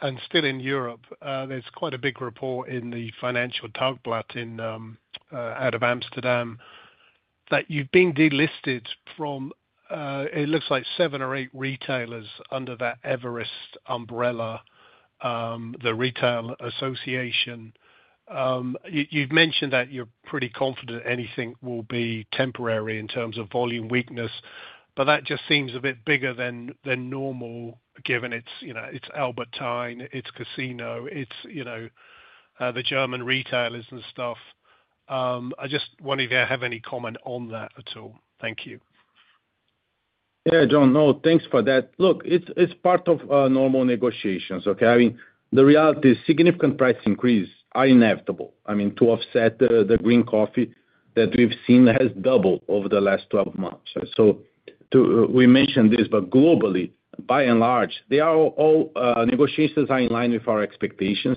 and still in Europe, there's quite a big report in The Financieele Dagblad out of Amsterdam that you've been delisted from, it looks like, seven or eight retailers under that Everest umbrella, the retail association. You've mentioned that you're pretty confident anything will be temporary in terms of volume weakness, but that just seems a bit bigger than normal given it's Albert Heijn, it's Casino, it's the German retailers and stuff. I just wonder if you have any comment on that at all. Thank you. Yeah, Jon, no, thanks for that. Look, it's part of normal negotiations, okay. I mean, the reality is significant price increase are inevitable. I mean, to offset the green coffee that we've seen has doubled over the last 12 months. So we mentioned this, but globally, by and large, all negotiations are in line with our expectations.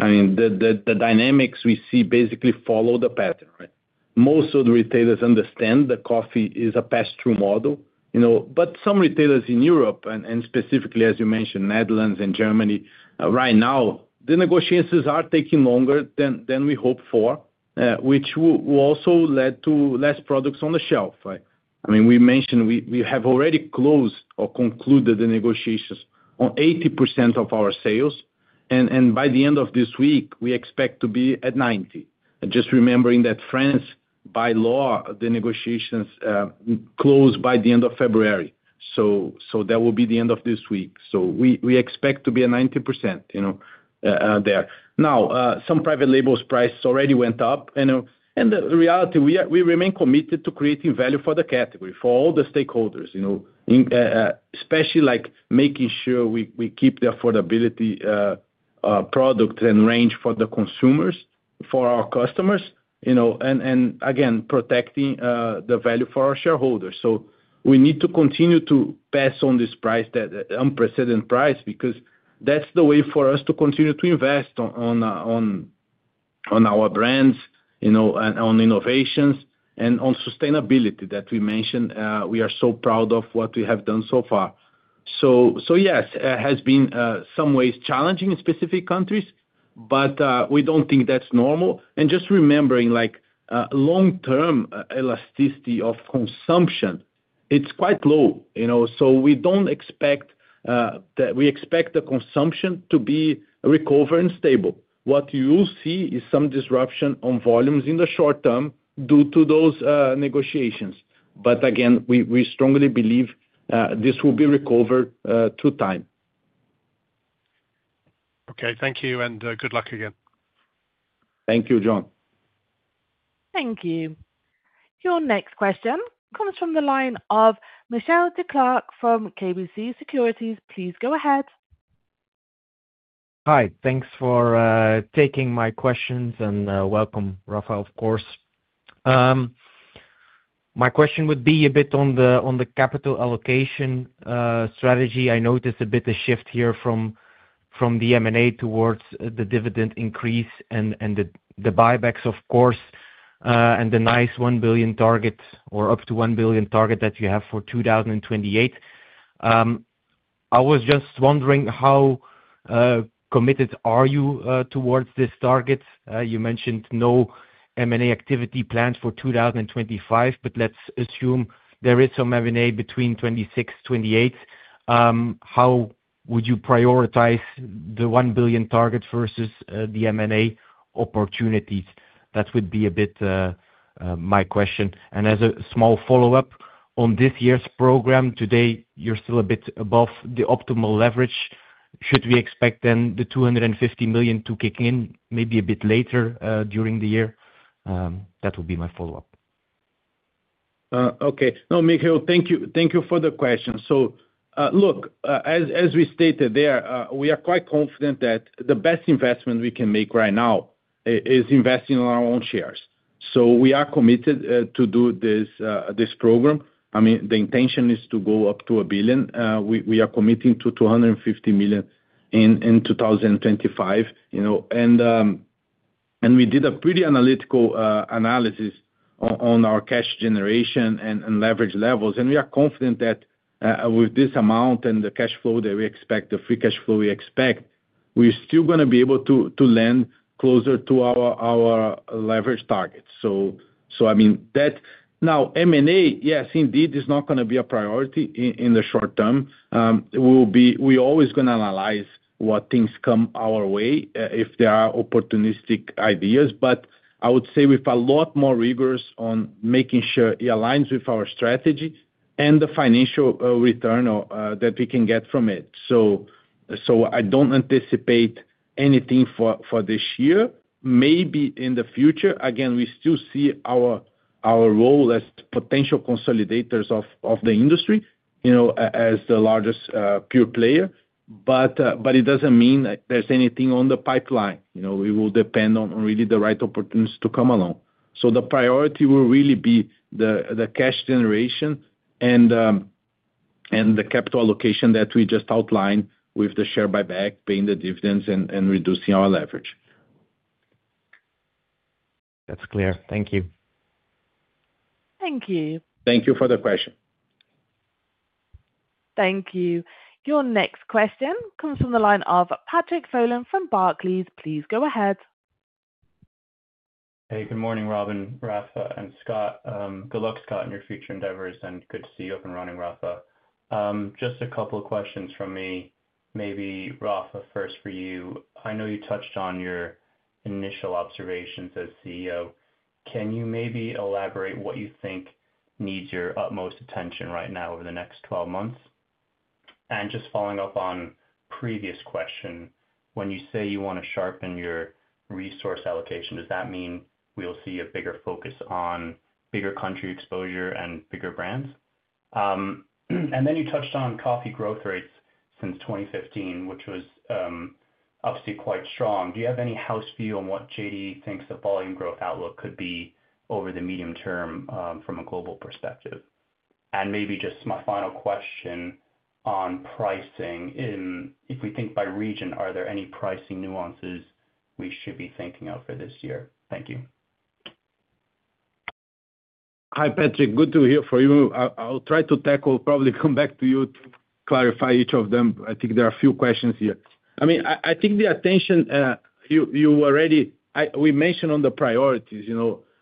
I mean, the dynamics we see basically follow the pattern, right? Most of the retailers understand that coffee is a pass-through model. But some retailers in Europe, and specifically, as you mentioned, Netherlands and Germany, right now, the negotiations are taking longer than we hoped for, which will also lead to less products on the shelf, right? I mean, we mentioned we have already closed or concluded the negotiations on 80% of our sales, and by the end of this week, we expect to be at 90%. Just remembering that France, by law, the negotiations close by the end of February. So that will be the end of this week. So we expect to be at 90% there. Now, some private label's prices already went up, and in reality, we remain committed to creating value for the category, for all the stakeholders, especially making sure we keep the affordable products and range for the consumers, for our customers, and again, protecting the value for our shareholders. So we need to continue to pass on this price, that unprecedented price, because that's the way for us to continue to invest on our brands, on innovations, and on sustainability that we mentioned. We are so proud of what we have done so far. So yes, it has been some ways challenging in specific countries, but we don't think that's normal. And just remembering long-term elasticity of consumption, it's quite low. So we don't expect that. We expect the consumption to be recovered and stable. What you will see is some disruption on volumes in the short term due to those negotiations. But again, we strongly believe this will be recovered through time. Okay. Thank you, and good luck again. Thank you, Jon. Thank you. Your next question comes from the line of Michiel Declercq from KBC Securities. Please go ahead. Thanks for taking my questions, and welcome, Rafa, of course. My question would be a bit on the capital allocation strategy. I noticed a bit of a shift here from the M&A towards the dividend increase and the buybacks, of course, and the nice 1 billion target or up to 1 billion target that you have for 2028. I was just wondering how committed are you towards this target? You mentioned no M&A activity planned for 2025, but let's assume there is some M&A between 2026, 2028. How would you prioritize the 1 billion target versus the M&A opportunities? That would be a bit my question. And as a small follow-up on this year's program, today, you're still a bit above the optimal leverage. Should we expect then the 250 million to kick in maybe a bit later during the year? That would be my follow-up. Okay. No, Michiel, thank you for the question. So look, as we stated there, we are quite confident that the best investment we can make right now is investing in our own shares. So we are committed to do this program. I mean, the intention is to go up to 1 billion. We are committing to 250 million in 2025. And we did a pretty analytical analysis on our cash generation and leverage levels. And we are confident that with this amount and the cash flow that we expect, the free cash flow we expect, we're still going to be able to land closer to our leverage targets. So I mean, that now, M&A, yes, indeed, is not going to be a priority in the short term. We're always going to analyze what things come our way if there are opportunistic ideas, but I would say we'll be a lot more rigorous on making sure it aligns with our strategy and the financial return that we can get from it. So I don't anticipate anything for this year. Maybe in the future, again, we still see our role as potential consolidators of the industry as the largest pure player. But it doesn't mean there's anything on the pipeline. It will depend on really the right opportunities to come along. So the priority will really be the cash generation and the capital allocation that we just outlined with the share buyback, paying the dividends, and reducing our leverage. That's clear. Thank you. Thank you. Thank you for the question. Thank you. Your next question comes from the line of Patrick Folan from Barclays. Please go ahead. Hey, good morning, Robin, Rafa, and Scott. Good luck, Scott, in your future endeavors, and good to see you up and running, Rafa. Just a couple of questions from me. Maybe Rafa first for you. I know you touched on your initial observations as CEO. Can you maybe elaborate what you think needs your utmost attention right now over the next 12 months? And just following up on the previous question, when you say you want to sharpen your resource allocation, does that mean we'll see a bigger focus on bigger country exposure and bigger brands? And then you touched on coffee growth rates since 2015, which was obviously quite strong. Do you have any house view on what JDE thinks the volume growth outlook could be over the medium term from a global perspective? And maybe just my final question on pricing. If we think by region, are there any pricing nuances we should be thinking of for this year? Thank you. Hi, Patrick. Good to hear from you. I'll try to tackle, probably come back to you to clarify each of them. I think there are a few questions here. I mean, I think the attention you already we mentioned on the priorities.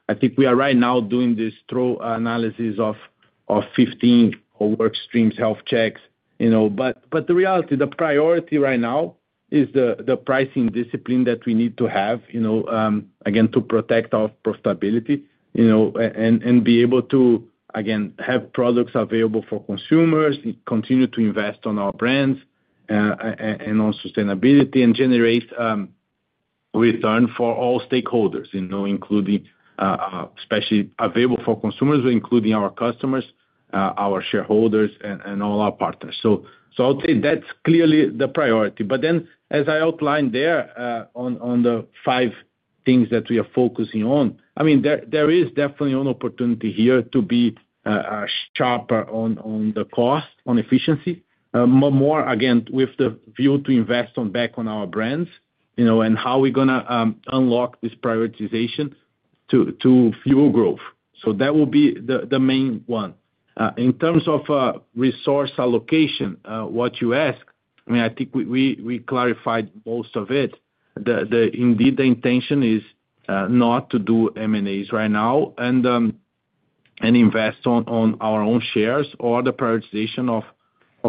I think we are right now doing this through analysis of 15 workstreams health checks. But the reality, the priority right now is the pricing discipline that we need to have, again, to protect our profitability and be able to, again, have products available for consumers, continue to invest on our brands and on sustainability, and generate return for all stakeholders, especially available for consumers, including our customers, our shareholders, and all our partners. So I'll say that's clearly the priority. But then, as I outlined there on the five things that we are focusing on, I mean, there is definitely an opportunity here to be sharper on the cost, on efficiency, more, again, with the view to invest back on our brands and how we're going to unlock this prioritization to fuel growth. So that will be the main one. In terms of resource allocation, what you asked, I mean, I think we clarified most of it. Indeed, the intention is not to do M&As right now and invest in our own shares or the prioritization of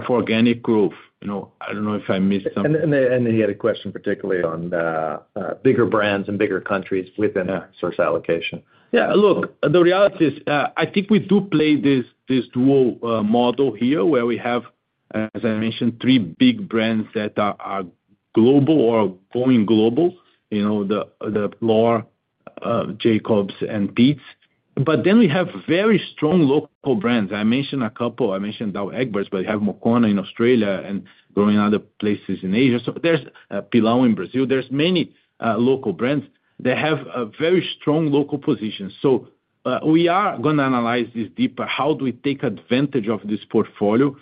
organic growth. I don't know if I missed something. Then he had a question particularly on bigger brands and bigger countries within the resource allocation. Yeah .Look, the reality is I think we do play this dual model here where we have, as I mentioned, three big brands that are global or going global, the L'OR, Jacobs, and Peet's. But then we have very strong local brands. I mentioned a couple. I mentioned Douwe Egberts, but we have Moccona in Australia and growing in other places in Asia. So there's Pilão in Brazil. There's many local brands that have a very strong local position. So we are going to analyze this deeper. How do we take advantage of this portfolio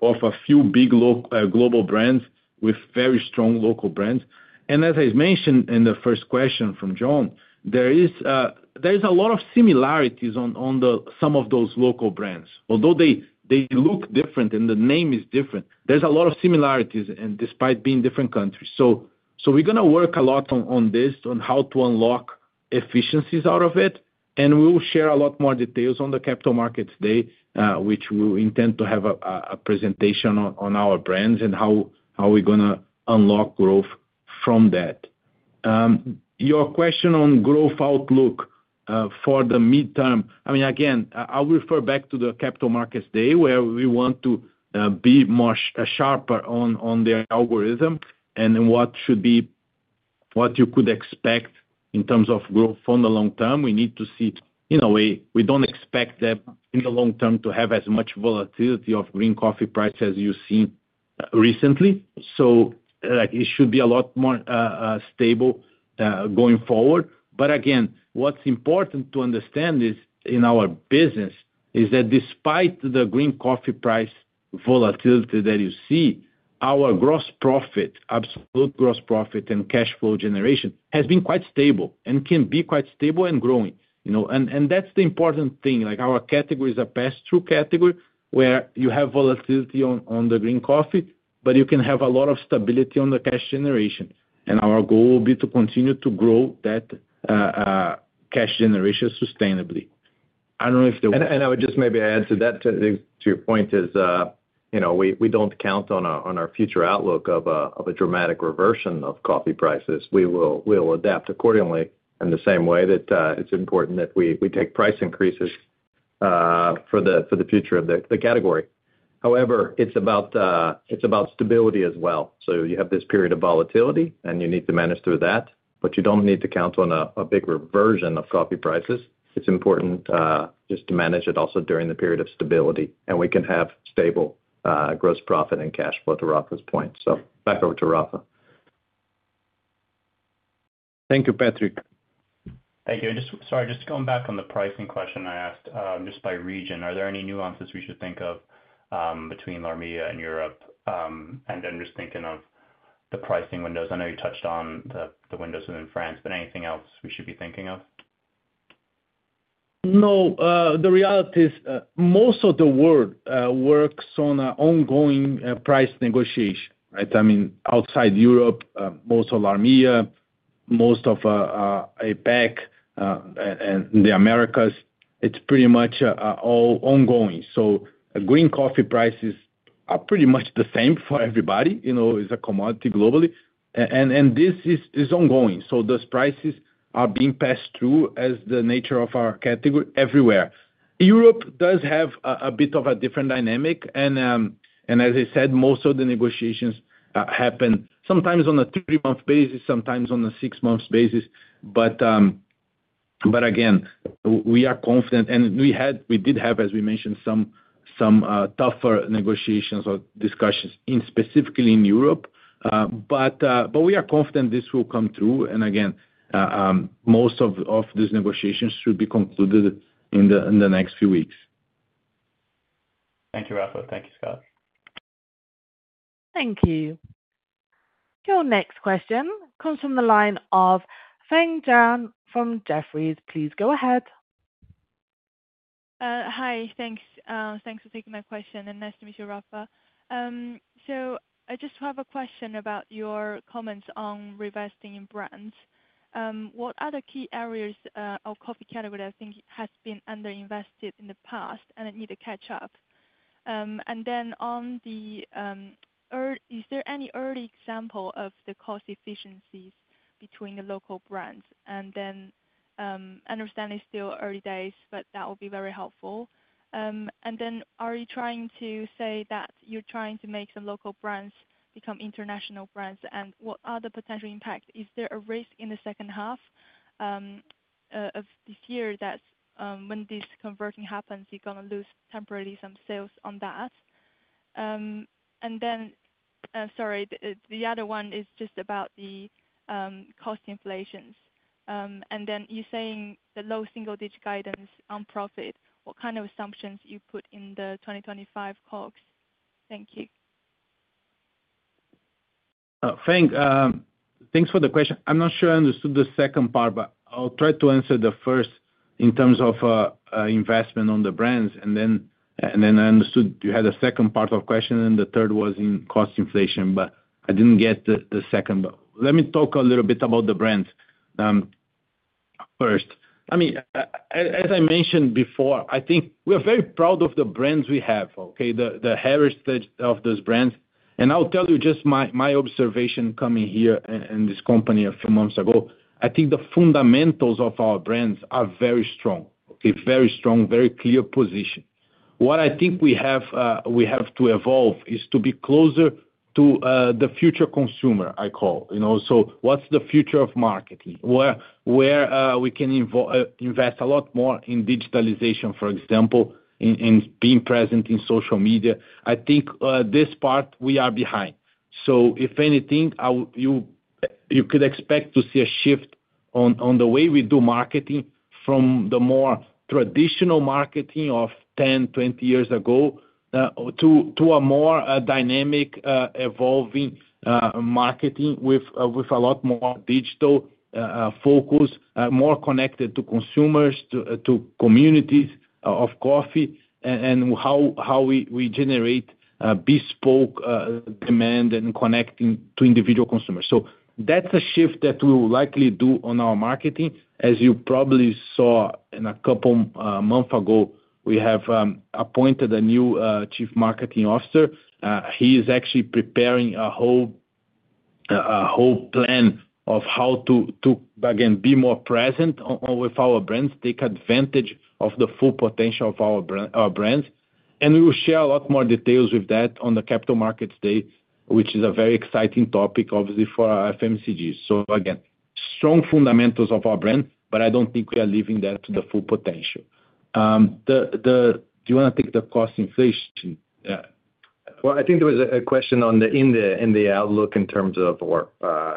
of a few big global brands with very strong local brands? And as I mentioned in the first question from Jon, there is a lot of similarities on some of those local brands. Although they look different and the name is different, there's a lot of similarities despite being different countries. We're going to work a lot on this, on how to unlock efficiencies out of it. We will share a lot more details on the Capital Markets Day, which we will intend to have a presentation on our brands and how we're going to unlock growth from that. Your question on growth outlook for the midterm, I mean, again, I'll refer back to the Capital Markets Day where we want to be sharper on the algorithm and what you could expect in terms of growth on the long term. We need to see. In a way, we don't expect them in the long term to have as much volatility of green coffee price as you've seen recently. It should be a lot more stable going forward. But again, what's important to understand in our business is that despite the green coffee price volatility that you see, our gross profit, absolute gross profit, and cash flow generation has been quite stable and can be quite stable and growing. And that's the important thing. Our category is a pass-through category where you have volatility on the green coffee, but you can have a lot of stability on the cash generation. And our goal will be to continue to grow that cash generation sustainably. And I would just maybe add to that, to your point, is we don't count on our future outlook of a dramatic reversion of coffee prices. We will adapt accordingly in the same way that it's important that we take price increases for the future of the category. However, it's about stability as well. So you have this period of volatility, and you need to manage through that. But you don't need to count on a big reversion of coffee prices. It's important just to manage it also during the period of stability, and we can have stable gross profit and cash flow to Rafa's point. So back over to Rafa. Thank you, Patrick. Thank you. Sorry, just going back on the pricing question I asked, just by region, are there any nuances we should think of between LARMEA and Europe? And then just thinking of the pricing windows, I know you touched on the windows in France, but anything else we should be thinking of? No. The reality is most of the world works on an ongoing price negotiation. I mean, outside Europe, most of LARMEA, most of APAC, and the Americas, it's pretty much all ongoing. So green coffee prices are pretty much the same for everybody. It's a commodity globally. And this is ongoing. So those prices are being passed through as the nature of our category everywhere. Europe does have a bit of a different dynamic. And as I said, most of the negotiations happen sometimes on a three-months basis, sometimes on a six-months basis. But again, we are confident, and we did have, as we mentioned, some tougher negotiations or discussions, specifically in Europe. But we are confident this will come through. And again, most of these negotiations should be concluded in the next few weeks. Thank you, Rafa. Thank you, Scott. Thank you. Your next question comes from the line of Feng Zhang from Jefferies. Please go ahead. Hi. Thanks for taking my question. And nice to meet you, Rafa. So I just have a question about your comments on investing in brands. What are the key areas of coffee category that I think has been underinvested in the past and need to catch up? And then, is there any early example of the cost efficiencies between the local brands? And then I understand it's still early days, but that will be very helpful. And then are you trying to say that you're trying to make some local brands become international brands? And what are the potential impacts? Is there a risk in the second half of this year that when this converting happens, you're going to lose temporarily some sales on that? And then, sorry, the other one is just about the cost inflation. And then you're saying the low single-digit guidance on profit. What kind of assumptions you put in the 2025 COGS? Thank you. Thanks for the question. I'm not sure I understood the second part, but I'll try to answer the first in terms of investment on the brands, and then I understood you had a second part of the question, and the third was in cost inflation, but I didn't get the second, but let me talk a little bit about the brands first. I mean, as I mentioned before, I think we are very proud of the brands we have, okay, the heritage of those brands, and I'll tell you just my observation coming here in this company a few months ago. I think the fundamentals of our brands are very strong, very strong, very clear position. What I think we have to evolve is to be closer to the future consumer, I call, so what's the future of marketing? Where we can invest a lot more in digitalization, for example, and being present in social media. I think this part we are behind. So if anything, you could expect to see a shift on the way we do marketing from the more traditional marketing of 10, 20 years ago to a more dynamic, evolving marketing with a lot more digital focus, more connected to consumers, to communities of coffee, and how we generate bespoke demand and connecting to individual consumers. So that's a shift that we will likely do on our marketing. As you probably saw a couple of months ago, we have appointed a new Chief Marketing Officer. He is actually preparing a whole plan of how to, again, be more present with our brands, take advantage of the full potential of our brands. We will share a lot more details with that on the Capital Markets Day, which is a very exciting topic, obviously, for FMCG. So again, strong fundamentals of our brand, but I don't think we are leaving that to the full potential. Do you want to take the cost inflation? Well, I think there was a question in the outlook in terms of, or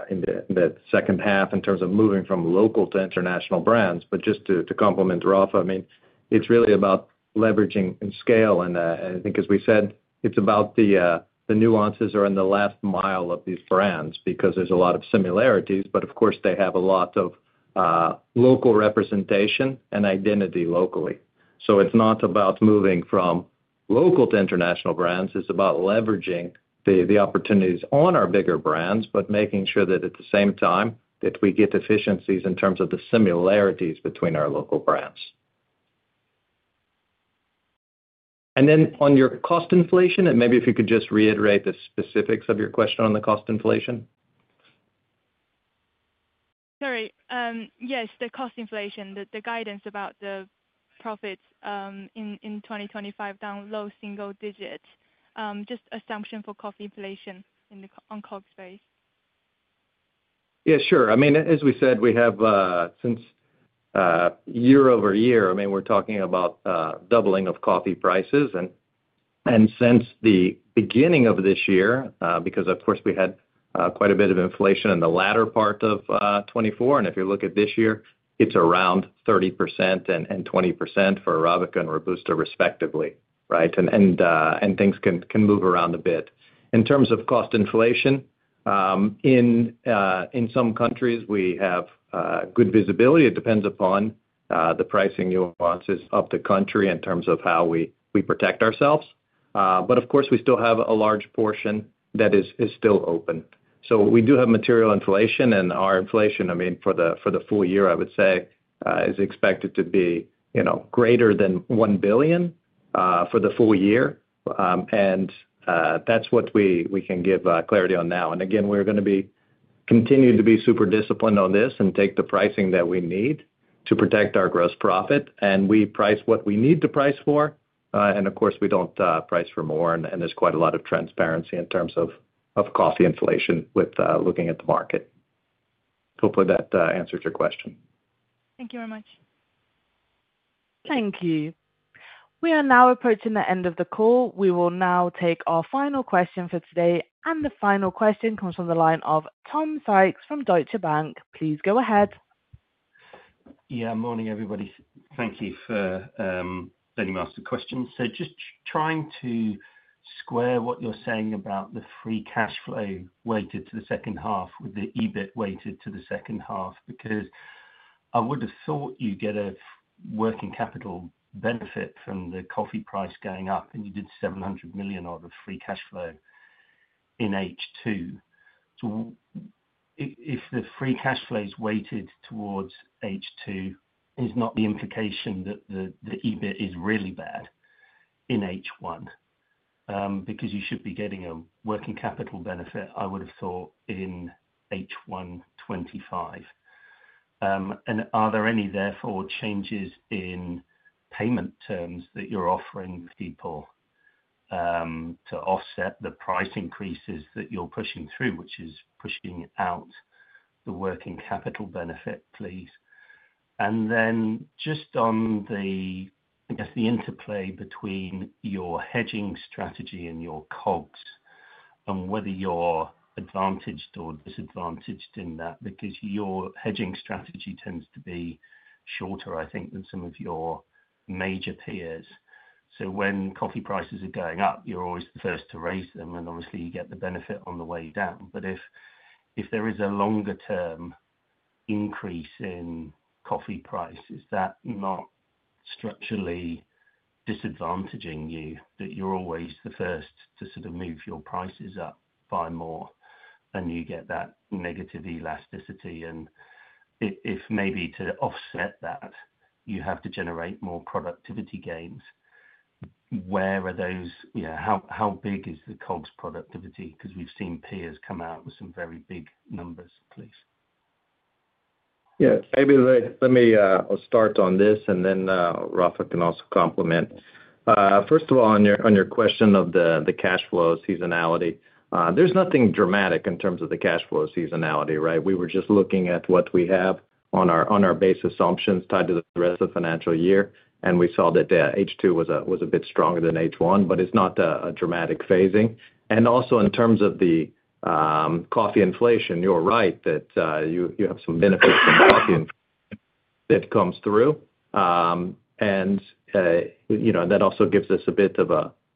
in the second half, in terms of moving from local to international brands. But just to complement Rafa, I mean, it's really about leveraging and scale. And I think, as we said, it's about the nuances are in the last mile of these brands because there's a lot of similarities, but of course, they have a lot of local representation and identity locally. So it's not about moving from local to international brands. It's about leveraging the opportunities on our bigger brands, but making sure that at the same time that we get efficiencies in terms of the similarities between our local brands. And then on your cost inflation, and maybe if you could just reiterate the specifics of your question on the cost inflation. Sorry. Yes, the cost inflation, the guidance about the profits in 2025 down low single-digit, just assumption for coffee inflation on COGS space. Yeah, sure. I mean, as we said, we have since year-over-year, I mean, we're talking about doubling of coffee prices. And since the beginning of this year, because of course, we had quite a bit of inflation in the latter part of 2024. And if you look at this year, it's around 30% and 20% for Arabica and Robusta, respectively, right? And things can move around a bit. In terms of cost inflation, in some countries, we have good visibility. It depends upon the pricing nuances of the country in terms of how we protect ourselves. But of course, we still have a large portion that is still open. So we do have material inflation. And our inflation, I mean, for the full year, I would say, is expected to be greater than 1 billion for the full year. And that's what we can give clarity on now. And again, we're going to continue to be super disciplined on this and take the pricing that we need to protect our gross profit. And we price what we need to price for. And of course, we don't price for more. And there's quite a lot of transparency in terms of coffee inflation with looking at the market. Hopefully, that answers your question. Thank you very much. Thank you. We are now approaching the end of the call. We will now take our final question for today, and the final question comes from the line of Tom Sykes from Deutsche Bank. Please go ahead. Yeah. Morning, everybody. Thank you for letting me ask the question. So just trying to square what you're saying about the free cash flow weighted to the second half with the EBIT weighted to the second half, because I would have thought you get a working capital benefit from the coffee price going up, and you did 700 million of free cash flow in H2. So if the free cash flow is weighted towards H2, it's not the implication that the EBIT is really bad in H1, because you should be getting a working capital benefit, I would have thought, in H1 2025. Are there any, therefore, changes in payment terms that you're offering people to offset the price increases that you're pushing through, which is pushing out the working capital benefit, please? Just on the, I guess, interplay between your hedging strategy and your COGS and whether you're advantaged or disadvantaged in that, because your hedging strategy tends to be shorter, I think, than some of your major peers. When coffee prices are going up, you're always the first to raise them, and obviously, you get the benefit on the way down. If there is a longer-term increase in coffee price, is that not structurally disadvantaging you, that you're always the first to sort of move your prices up by more, and you get that negative elasticity? If maybe to offset that, you have to generate more productivity gains, where are those? How big is the COGS productivity because we've seen peers come out with some very big numbers, please? Yeah. Maybe let me start on this, and then Rafa can also complement. First of all, on your question of the cash flow seasonality, there's nothing dramatic in terms of the cash flow seasonality, right? We were just looking at what we have on our base assumptions tied to the rest of the financial year, and we saw that H2 was a bit stronger than H1, but it's not a dramatic phasing, and also in terms of the coffee inflation, you're right that you have some benefits from coffee inflation that comes through, and that also gives us a bit of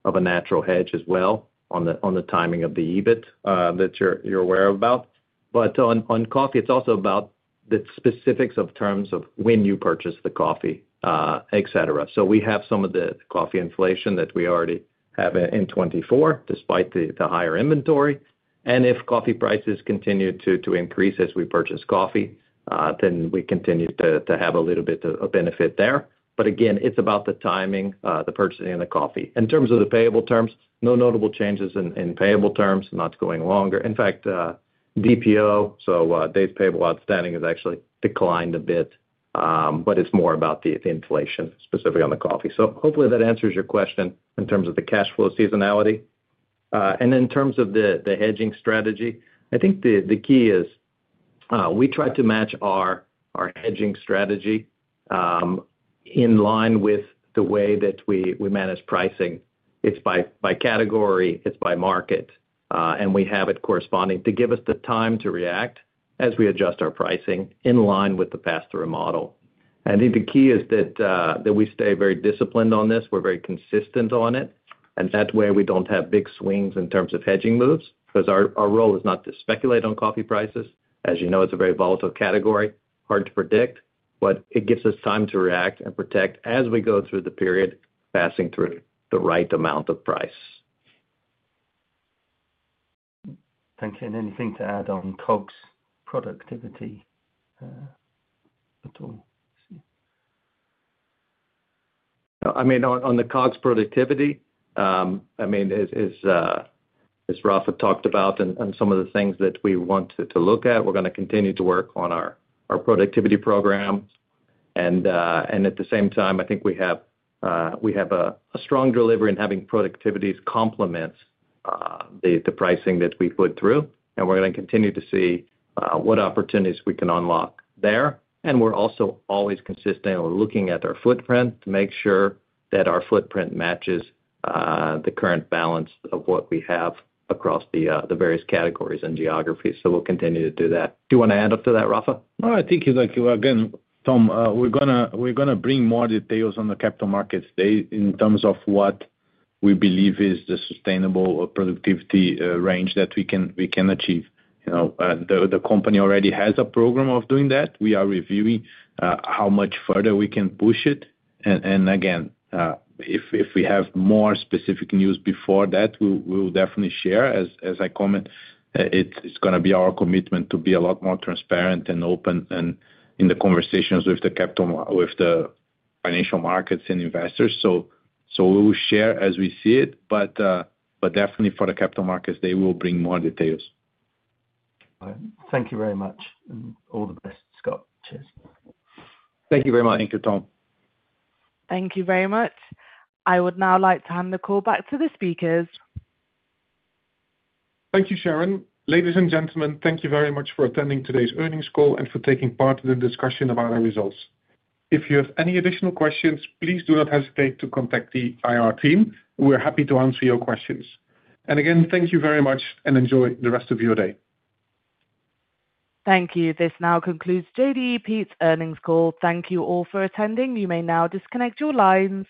a natural hedge as well on the timing of the EBIT that you're aware about. But on coffee, it's also about the specifics of terms of when you purchase the coffee, etc. So we have some of the coffee inflation that we already have in 2024, despite the higher inventory. And if coffee prices continue to increase as we purchase coffee, then we continue to have a little bit of a benefit there. But again, it's about the timing, the purchasing of the coffee. In terms of the payable terms, no notable changes in payable terms, not going longer. In fact, DPO, so days payable outstanding, has actually declined a bit, but it's more about the inflation specifically on the coffee. So hopefully, that answers your question in terms of the cash flow seasonality. And in terms of the hedging strategy, I think the key is we try to match our hedging strategy in line with the way that we manage pricing. It's by category. It's by market, and we have it corresponding to give us the time to react as we adjust our pricing in line with the pass-through model. I think the key is that we stay very disciplined on this. We're very consistent on it, and that way, we don't have big swings in terms of hedging moves because our role is not to speculate on coffee prices. As you know, it's a very volatile category, hard to predict, but it gives us time to react and protect as we go through the period, passing through the right amount of price. Thanks, and anything to add on COGS productivity at all? I mean, on the COGS productivity, I mean, as Rafa talked about and some of the things that we want to look at, we're going to continue to work on our productivity program. And at the same time, I think we have a strong delivery in having productivity complement the pricing that we put through. And we're going to continue to see what opportunities we can unlock there. And we're also always consistently looking at our footprint to make sure that our footprint matches the current balance of what we have across the various categories and geographies. So we'll continue to do that. Do you want to add up to that, Rafa? No, I think, again, Tom, we're going to bring more details on the Capital Markets Day in terms of what we believe is the sustainable productivity range that we can achieve. The company already has a program of doing that. We are reviewing how much further we can push it. And again, if we have more specific news before that, we will definitely share. As I comment, it's going to be our commitment to be a lot more transparent and open in the conversations with the capital, with the financial markets and investors. So we will share as we see it, but definitely for the capital markets, they will bring more details. Thank you very much. And all the best, Scott. Cheers. Thank you very much. Thank you, Tom. Thank you very much. I would now like to hand the call back to the speakers. Thank you, Sharon. Ladies and gentlemen, thank you very much for attending today's earnings call and for taking part in the discussion about our results. If you have any additional questions, please do not hesitate to contact the IR team. We're happy to answer your questions. And again, thank you very much and enjoy the rest of your day. Thank you. This now concludes JDE Peet's earnings call. Thank you all for attending. You may now disconnect your lines.